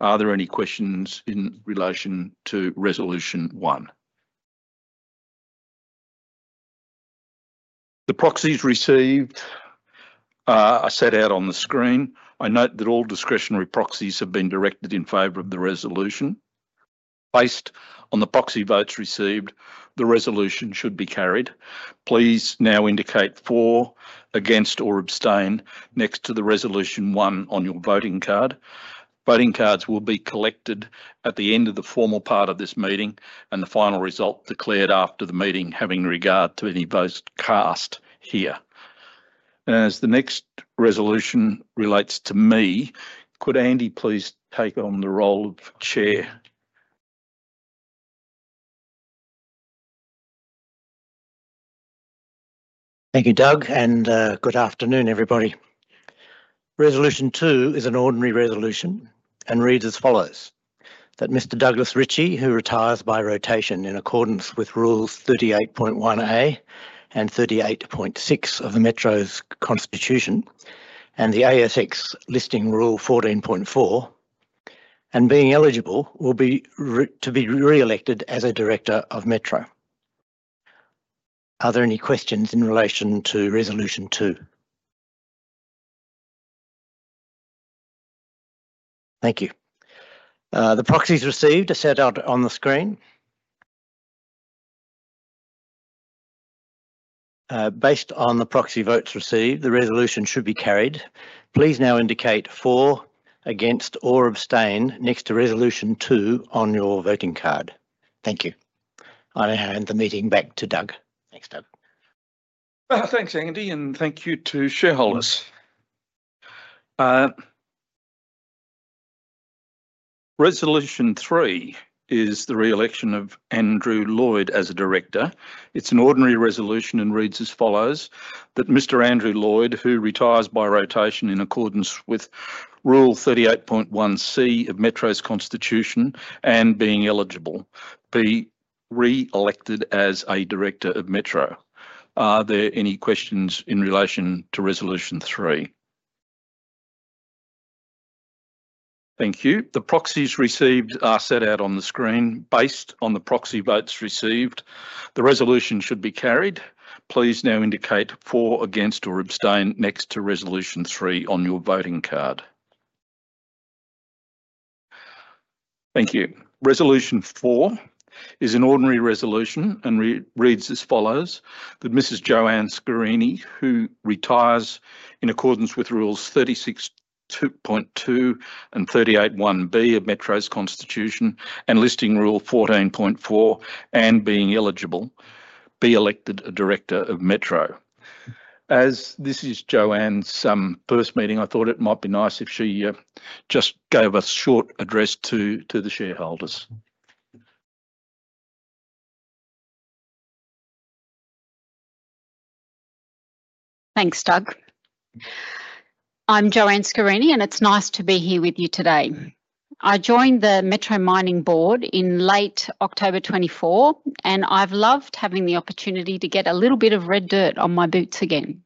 Are there any questions in relation to resolution one? The proxies received are set out on the screen. I note that all discretionary proxies have been directed in favor of the resolution. Based on the proxy votes received, the resolution should be carried. Please now indicate for, against, or abstain next to the resolution one on your voting card. Voting cards will be collected at the end of the formal part of this meeting and the final result declared after the meeting having regard to any votes cast here. As the next resolution relates to me, could Andy please take on the role of Chair? Thank you, Doug. Good afternoon, everybody. Resolution two is an ordinary resolution and reads as follows: that Mr. Douglas Ritchie, who retires by rotation in accordance with Rules 38.1A and 38.6 of Metro's Constitution and the ASX Listing Rule 14.4, and being eligible, be re-elected as a director of Metro. Are there any questions in relation to resolution two? Thank you. The proxies received are set out on the screen. Based on the proxy votes received, the resolution should be carried. Please now indicate for, against, or abstain next to resolution two on your voting card. Thank you. I'll now hand the meeting back to Doug. Thanks, Doug. Thanks, Andy. And thank you to shareholders. Resolution three is the re-election of Andy Lloyd as a director. It's an ordinary resolution and reads as follows: that Mr. Andy Lloyd, who retires by rotation in accordance with Rule 38.1C of Metro's Constitution and being eligible, be re-elected as a director of Metro. Are there any questions in relation to resolution three? Thank you. The proxies received are set out on the screen. Based on the proxy votes received, the resolution should be carried. Please now indicate for, against, or abstain next to resolution three on your voting card. Thank you. Resolution four is an ordinary resolution and reads as follows: that Mrs. Jo-Anne Scarini, who retires in accordance with Rules 36.2 and 38.1B of Metro's Constitution and listing Rule 14.4, and being eligible, be elected a director of Metro. As this is Jo-Anne's 1st meeting, I thought it might be nice if she just gave a short address to the shareholders. Thanks, Doug. I'm Jo-Anne Scarini, and it's nice to be here with you today. I joined the Metro Mining Board in late October 2024, and I've loved having the opportunity to get a little bit of red dirt on my boots again.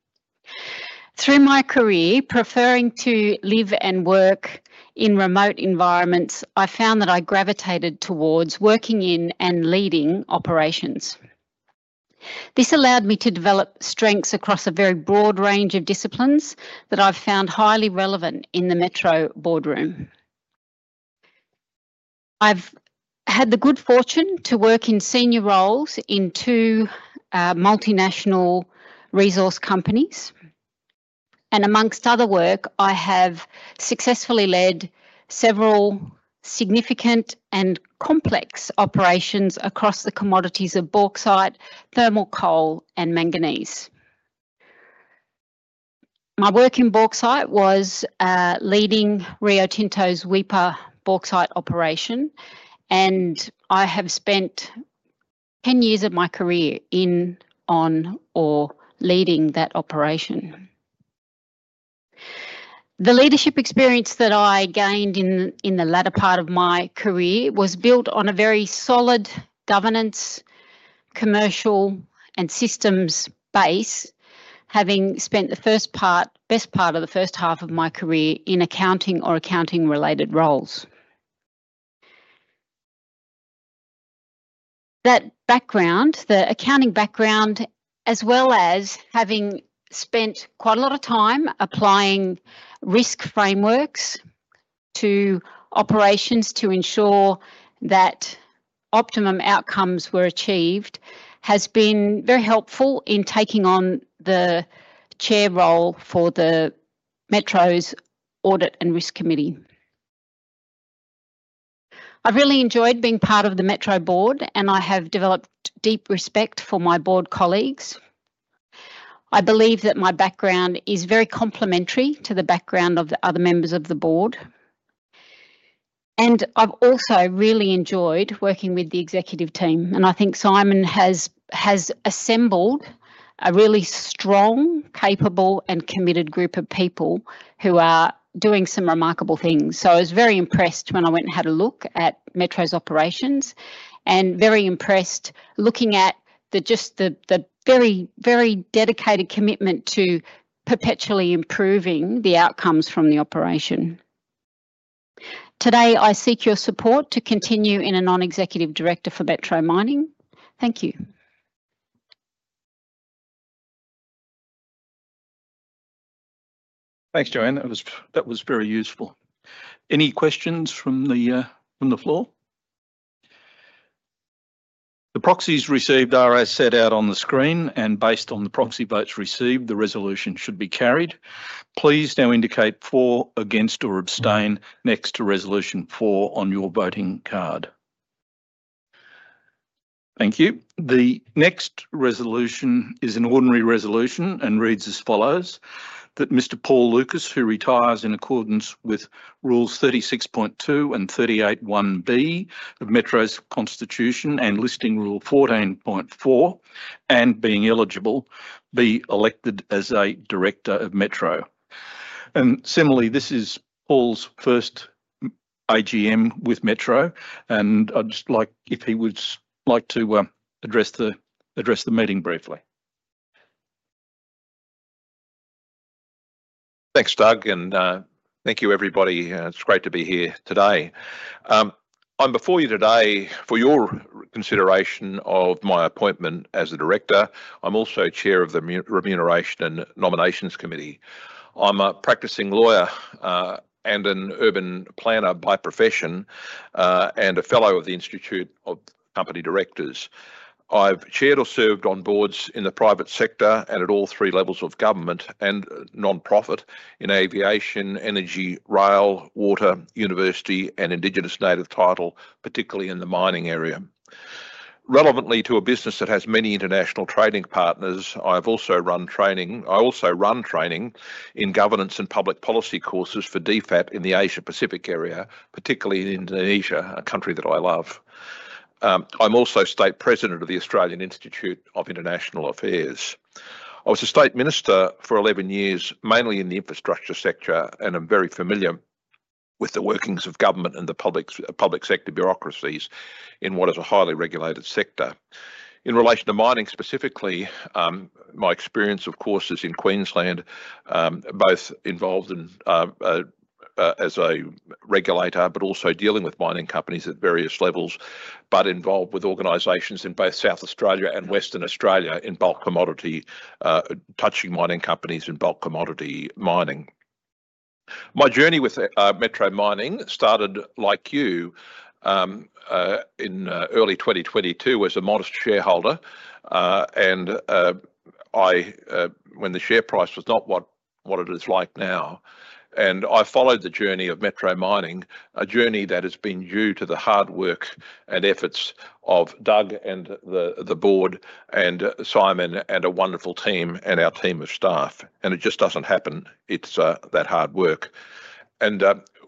Through my career, preferring to live and work in remote environments, I found that I gravitated towards working in and leading operations. This allowed me to develop strengths across a very broad range of disciplines that I've found highly relevant in the Metro boardroom. I've had the good fortune to work in senior roles in two multinational resource companies. Amongst other work, I have successfully led several significant and complex operations across the commodities of bauxite, thermal coal, and manganese. My work in bauxite was leading Rio Tinto's Weipa bauxite operation, and I have spent 10 years of my career in, on, or leading that operation. The leadership experience that I gained in the latter part of my career was built on a very solid governance, commercial, and systems base, having spent the best part of the 1st half of my career in accounting or accounting-related roles. That background, the accounting background, as well as having spent quite a lot of time applying risk frameworks to operations to ensure that optimum outcomes were achieved, has been very helpful in taking on the chair role for Metro's Audit and Risk Committee. I've really enjoyed being part of the Metro Board, and I have developed deep respect for my board colleagues. I believe that my background is very complementary to the background of the other members of the board. I've also really enjoyed working with the executive team. I think Simon has assembled a really strong, capable, and committed group of people who are doing some remarkable things. I was very impressed when I went and had a look at Metro's operations and very impressed looking at just the very, very dedicated commitment to perpetually improving the outcomes from the operation. Today, I seek your support to continue in a non-executive director for Metro Mining. Thank you. Thanks, Jo-Anne. That was very useful. Any questions from the floor? The proxies received are as set out on the screen. Based on the proxy votes received, the resolution should be carried. Please now indicate for, against, or abstain next to resolution four on your voting card. Thank you. The next resolution is an ordinary resolution and reads as follows: that Mr. Paul Lucas, who retires in accordance with Rules 36.2 and 38.1B of Metro's Constitution and listing Rule 14.4, and being eligible, be elected as a director of Metro. Similarly, this is Paul's 1st AGM with Metro. I would just like, if he would like, to address the meeting briefly. Thanks, Doug. Thank you, everybody. It's great to be here today. I'm before you today for your consideration of my appointment as a director. I'm also chair of the Remuneration and Nominations Committee. I'm a practicing lawyer and an urban planner by profession and a fellow of the Institute of Company Directors. I've chaired or served on boards in the private sector and at all three levels of government and nonprofit in aviation, energy, rail, water, university, and indigenous native title, particularly in the mining area. Relevantly to a business that has many international trading partners, I also run training in governance and public policy courses for DFAT in the Asia-Pacific area, particularly in Indonesia, a country that I love. I'm also state president of the Australian Institute of International Affairs. I was a state minister for 11 years, mainly in the infrastructure sector, and I'm very familiar with the workings of government and the public sector bureaucracies in what is a highly regulated sector. In relation to mining specifically, my experience, of course, is in Queensland, both involved as a regulator but also dealing with mining companies at various levels, but involved with organizations in both South Australia and Western Australia in bulk commodity, touching mining companies in bulk commodity mining. My journey with Metro Mining started, like you, in early 2022 as a modest shareholder. When the share price was not what it is like now. I followed the journey of Metro Mining, a journey that has been due to the hard work and efforts of Doug and the board and Simon and a wonderful team and our team of staff. It just does not happen. It is that hard work.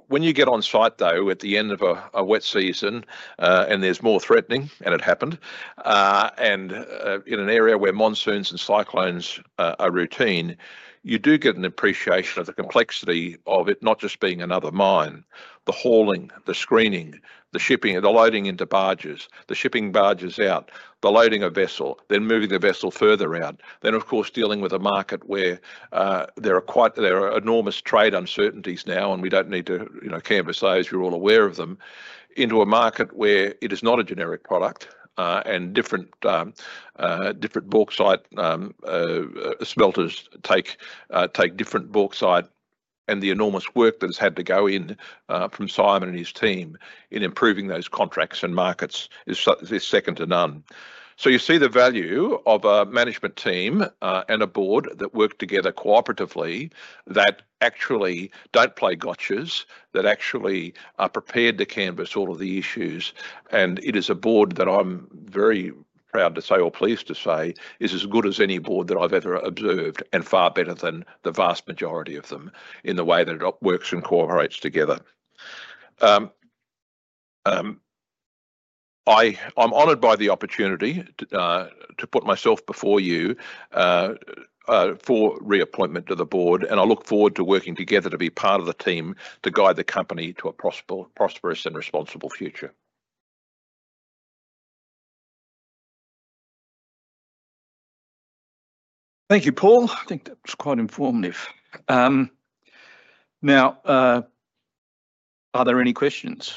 When you get on site, though, at the end of a wet season and there's more threatening, and it happened, and in an area where monsoons and cyclones are routine, you do get an appreciation of the complexity of it, not just being another mine. The hauling, the screening, the shipping, the loading into barges, the shipping barges out, the loading a vessel, then moving the vessel further out, then, of course, dealing with a market where there are enormous trade uncertainties now, and we don't need to canvass, as you're all aware of them, into a market where it is not a generic product and different bauxite smelters take different bauxite. The enormous work that has had to go in from Simon and his team in improving those contracts and markets is 2nd to none. You see the value of a management team and a board that work together cooperatively that actually do not play gotchas, that actually are prepared to canvass all of the issues. It is a board that I am very proud to say, or pleased to say, is as good as any board that I have ever observed and far better than the vast majority of them in the way that it works and cooperates together. I am honored by the opportunity to put myself before you for reappointment to the board. I look forward to working together to be part of the team to guide the company to a prosperous and responsible future. Thank you, Paul. I think that was quite informative. Now, are there any questions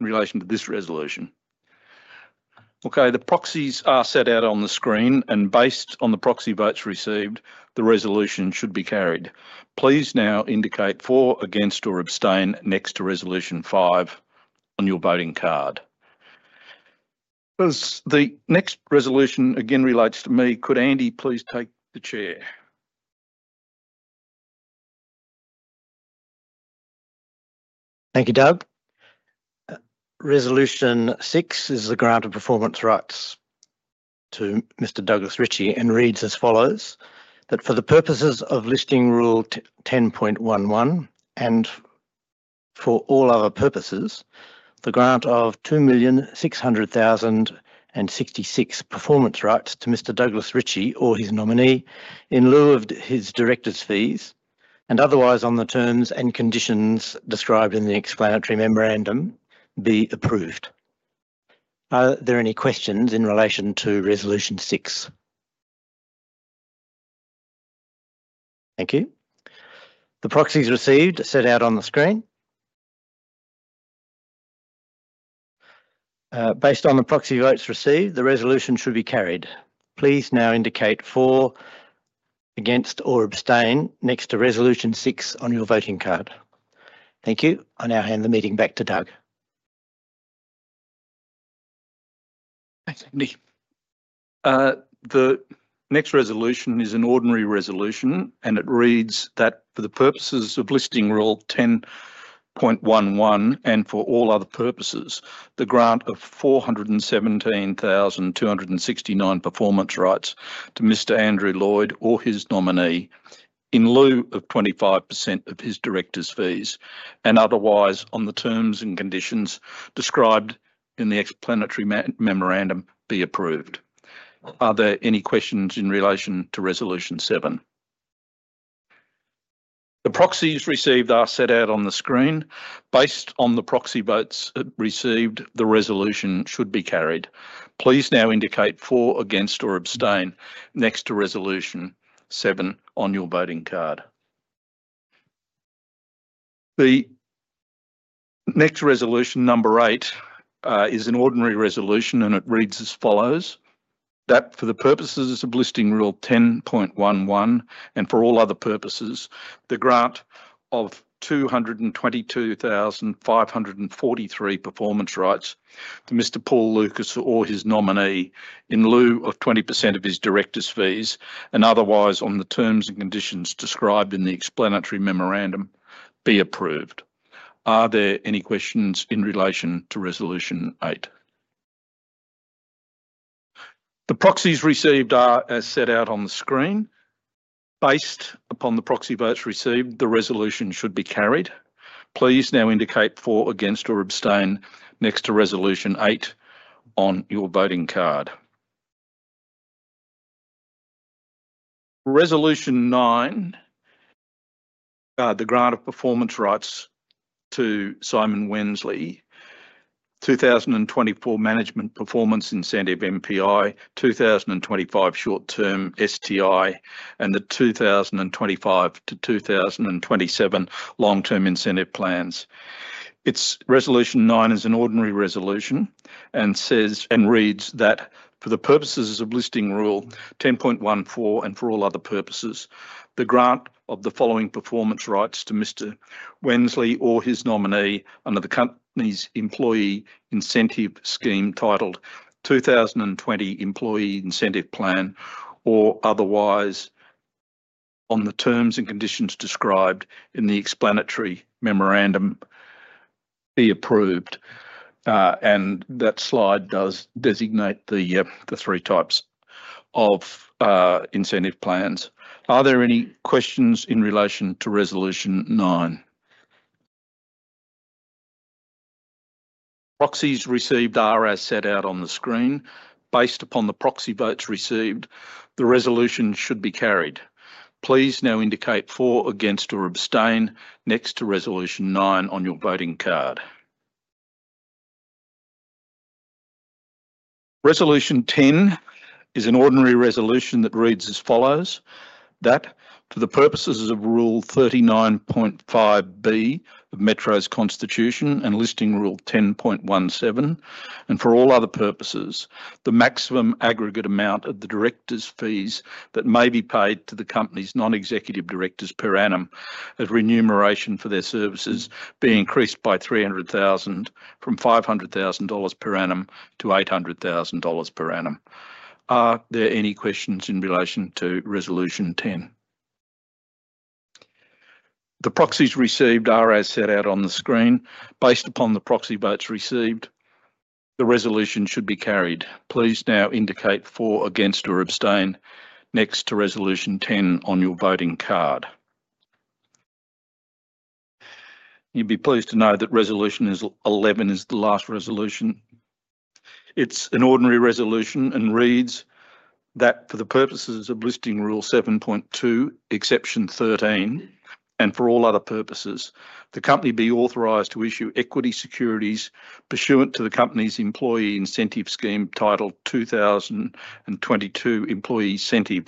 in relation to this resolution? Okay. The proxies are set out on the screen. Based on the proxy votes received, the resolution should be carried. Please now indicate for, against, or abstain next to resolution five on your voting card. The next resolution, again, relates to me. Could Andy please take the chair? Thank you, Doug. Resolution six is the grant of performance rights to Mr. Douglas Ritchie and reads as follows: that for the purposes of listing Rule 10.11 and for all other purposes, the grant of 2,600,066 performance rights to Mr. Douglas Ritchie or his nominee in lieu of his director's fees and otherwise on the terms and conditions described in the explanatory memorandum be approved. Are there any questions in relation to resolution six? Thank you. The proxies received are set out on the screen. Based on the proxy votes received, the resolution should be carried. Please now indicate for, against, or abstain next to resolution six on your voting card. Thank you. I now hand the meeting back to Doug. Thanks, Andy. The next resolution is an ordinary resolution. It reads that for the purposes of listing Rule 10.11 and for all other purposes, the grant of 417,269 performance rights to Mr. Andy Lloyd or his nominee in lieu of 25% of his director's fees and otherwise on the terms and conditions described in the explanatory memorandum be approved. Are there any questions in relation to resolution seven? The proxies received are set out on the screen. Based on the proxy votes received, the resolution should be carried. Please now indicate for, against, or abstain next to resolution seven on your voting card. The next resolution, number eight, is an ordinary resolution. It reads as follows: that for the purposes of Listing Rule 10.11 and for all other purposes, the grant of 222,543 performance rights to Mr. Paul Lucas or his nominee in lieu of 20% of his director's fees and otherwise on the terms and conditions described in the explanatory memorandum be approved. Are there any questions in relation to resolution eight? The proxies received are as set out on the screen. Based upon the proxy votes received, the resolution should be carried. Please now indicate for, against, or abstain next to resolution eight on your voting card. Resolution nine, the grant of performance rights to Simon Wensley, 2024 management performance incentive MPI, 2025 short-term STI, and the 2025 to 2027 long-term incentive plans. Its resolution nine is an ordinary resolution and reads that for the purposes of listing Rule 10.14 and for all other purposes, the grant of the following performance rights to Mr. Wensley or his nominee under the company's employee incentive scheme titled 2020 Employee Incentive Plan or otherwise on the terms and conditions described in the explanatory memorandum be approved. That slide does designate the three types of incentive plans. Are there any questions in relation to resolution nine? Proxies received are as set out on the screen. Based upon the proxy votes received, the resolution should be carried. Please now indicate for, against, or abstain next to resolution nine on your voting card. Resolution 10 is an ordinary resolution that reads as follows: that for the purposes of Rule 39.5B of Metro's Constitution and Listing Rule 10.17 and for all other purposes, the maximum aggregate amount of the director's fees that may be paid to the company's non-executive directors per annum as remuneration for their services be increased by 300,000 from 500,000 dollars per annum to 800,000 dollars per annum. Are there any questions in relation to resolution 10? The proxies received are as set out on the screen. Based upon the proxy votes received, the resolution should be carried. Please now indicate for, against, or abstain next to resolution 10 on your voting card. You'd be pleased to know that resolution 11 is the last resolution. It's an ordinary resolution and reads that for the purposes of Listing Rule 7.2, exception 13, and for all other purposes, the company be authorized to issue equity securities pursuant to the company's employee incentive scheme titled 2022 Employee Incentive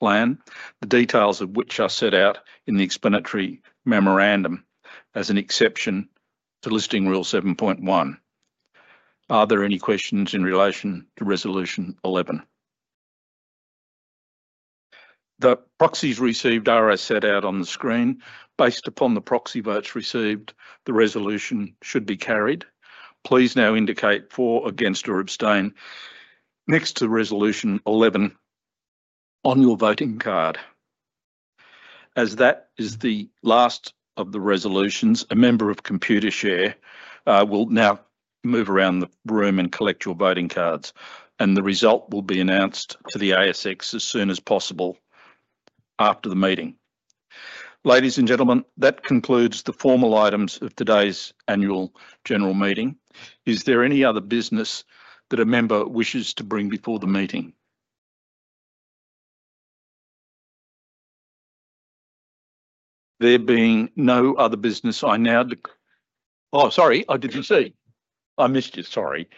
Plan, the details of which are set out in the explanatory memorandum as an exception to Listing Rule 7.1. Are there any questions in relation to resolution 11? The proxies received are as set out on the screen. Based upon the proxy votes received, the resolution should be carried. Please now indicate for, against, or abstain next to resolution 11 on your voting card. As that is the last of the resolutions, a member of Computershare will now move around the room and collect your voting cards. The result will be announced to the ASX as soon as possible after the meeting. Ladies and gentlemen, that concludes the formal items of today's annual general meeting. Is there any other business that a member wishes to bring before the meeting? There being no other business, I now—oh, sorry. I did not see. I missed you. Sorry.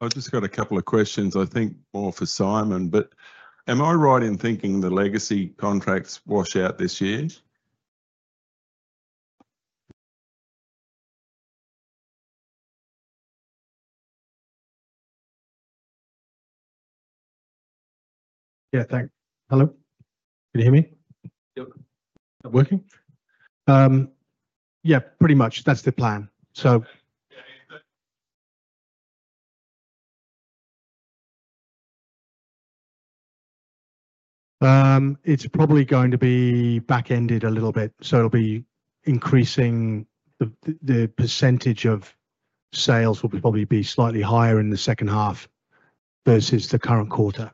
I have just got a couple of questions, I think, more for Simon. But am I right in thinking the legacy contracts wash out this year? Yeah. Thanks. Hello? Can you hear me? Yep. Working? Yeah. Pretty much. That is the plan. It is probably going to be back-ended a little bit. It will be increasing, the percentage of sales will probably be slightly higher in the 2nd half versus the current quarter.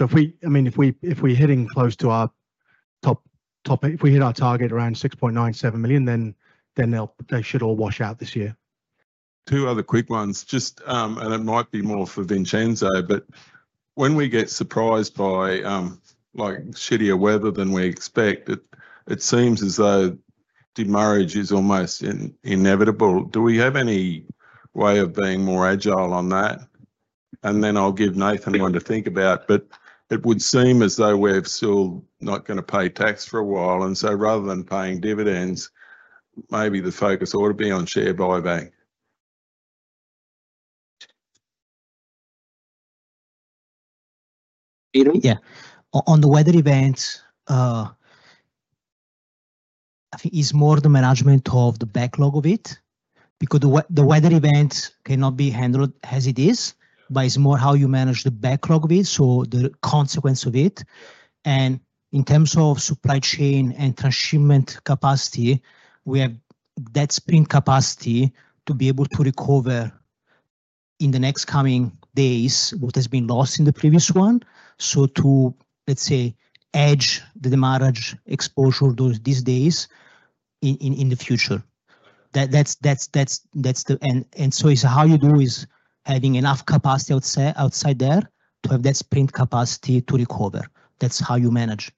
I mean, if we are hitting close to our topic—if we hit our target around 6.97 million, then they should all wash out this year. Two other quick ones. It might be more for Vincenzo. When we get surprised by shittier weather than we expect, it seems as though demurrage is almost inevitable. Do we have any way of being more agile on that? I'll give Nathan one to think about. It would seem as though we're still not going to pay tax for a while. Rather than paying dividends, maybe the focus ought to be on share buyback. Peter? Yeah. On the weather events, I think it's more the management of the backlog of it. The weather events cannot be handled as it is, but it's more how you manage the backlog of it, so the consequence of it. In terms of supply chain and transshipment capacity, we have that spring capacity to be able to recover in the next coming days what has been lost in the previous one. To, let's say, edge the demurrage exposure these days in the future. It is how you do it, having enough capacity out there to have that sprint capacity to recover. That is how you manage.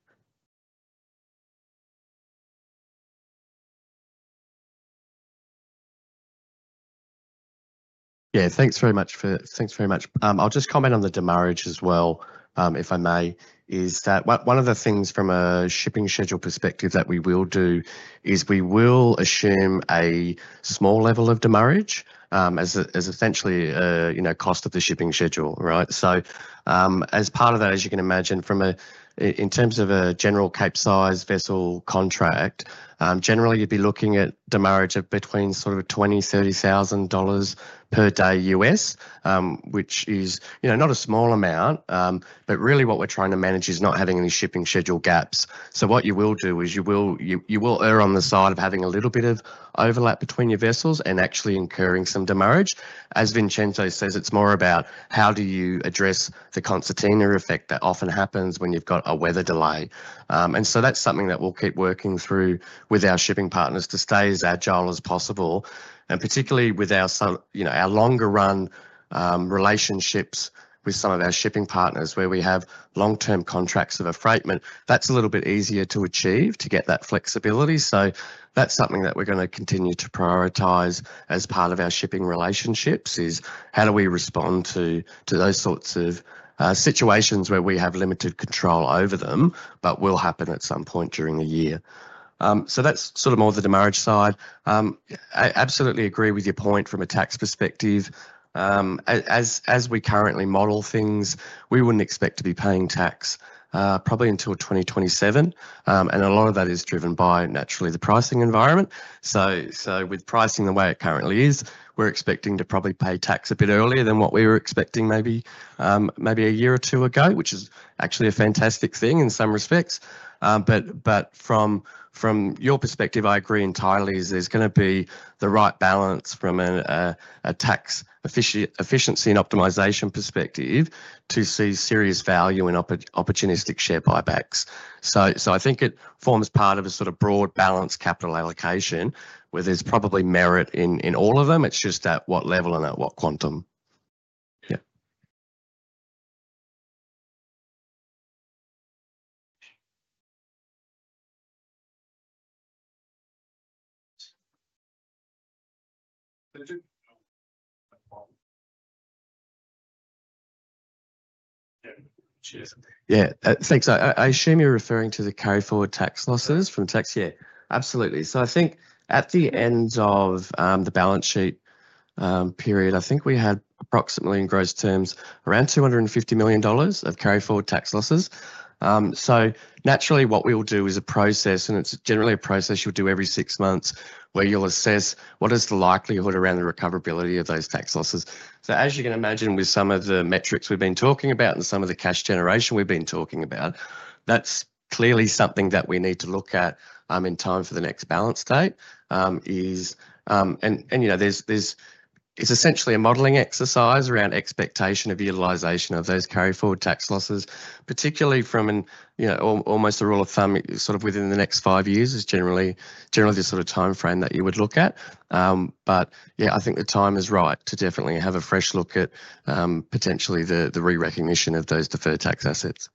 Yeah. Thanks very much. Thanks very much. I'll just comment on the demurrage as well, if I may, is that one of the things from a shipping schedule perspective that we will do is we will assume a small level of demurrage as essentially a cost of the shipping schedule, right? As part of that, as you can imagine, in terms of a general cape-size vessel contract, generally, you'd be looking at demurrage of between $20,000-$30,000 per day US, which is not a small amount. What we are trying to manage is not having any shipping schedule gaps. What you will do is you will err on the side of having a little bit of overlap between your vessels and actually incurring some demurrage. As Vincenzo says, it is more about how do you address the concertina effect that often happens when you have got a weather delay. That is something that we will keep working through with our shipping partners to stay as agile as possible. Particularly with our longer-run relationships with some of our shipping partners where we have long-term contracts of affreightment, that is a little bit easier to achieve to get that flexibility. That is something that we are going to continue to prioritize as part of our shipping relationships, how do we respond to those sorts of situations where we have limited control over them but will happen at some point during the year. That is sort of more the demurrage side. Absolutely agree with your point from a tax perspective. As we currently model things, we would not expect to be paying tax probably until 2027. A lot of that is driven by, naturally, the pricing environment. With pricing the way it currently is, we are expecting to probably pay tax a bit earlier than what we were expecting maybe a year or two ago, which is actually a fantastic thing in some respects. From your perspective, I agree entirely as there is going to be the right balance from a tax efficiency and optimization perspective to see serious value in opportunistic share buybacks. I think it forms part of a sort of broad balance capital allocation where there is probably merit in all of them. It is just at what level and at what quantum. Yeah. Yeah. Cheers. Yeah. Thanks. I assume you are referring to the carryforward tax losses from tax? Yeah. Absolutely. I think at the end of the balance sheet period, I think we had approximately, in gross terms, around $250 million of carryforward tax losses. Naturally, what we will do is a process, and it's generally a process you'll do every six months where you'll assess what is the likelihood around the recoverability of those tax losses. As you can imagine, with some of the metrics we've been talking about and some of the cash generation we've been talking about, that's clearly something that we need to look at in time for the next balance date. It's essentially a modeling exercise around expectation of utilization of those carryforward tax losses, particularly from almost a rule of thumb sort of within the next five years is generally the sort of timeframe that you would look at. Yeah, I think the time is right to definitely have a fresh look at potentially the re-recognition of those deferred tax assets.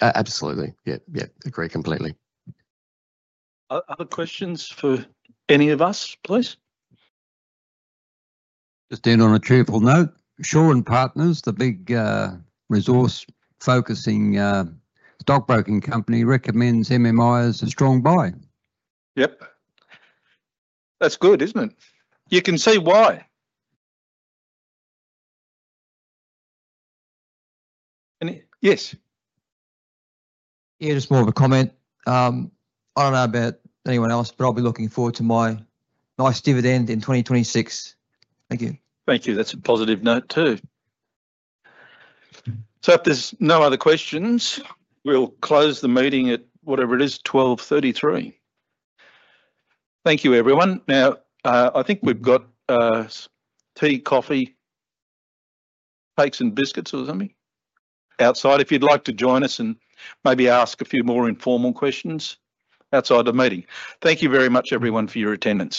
Absolutely. Yeah. Agree completely. Other questions for any of us, please? Just in on a cheerful note, Shoren Partners, the big resource-focusing stockbroking company, recommends MMI as a strong buy. Yep. That's good, isn't it? You can see why. Yes. Yeah. Just more of a comment. I don't know about anyone else, but I'll be looking forward to my nice dividend in 2026. Thank you. Thank you. That's a positive note too. If there's no other questions, we'll close the meeting at whatever it is, 12:33. Thank you, everyone. I think we've got tea, coffee, cakes, and biscuits or something outside if you'd like to join us and maybe ask a few more informal questions outside the meeting. Thank you very much, everyone, for your attendance.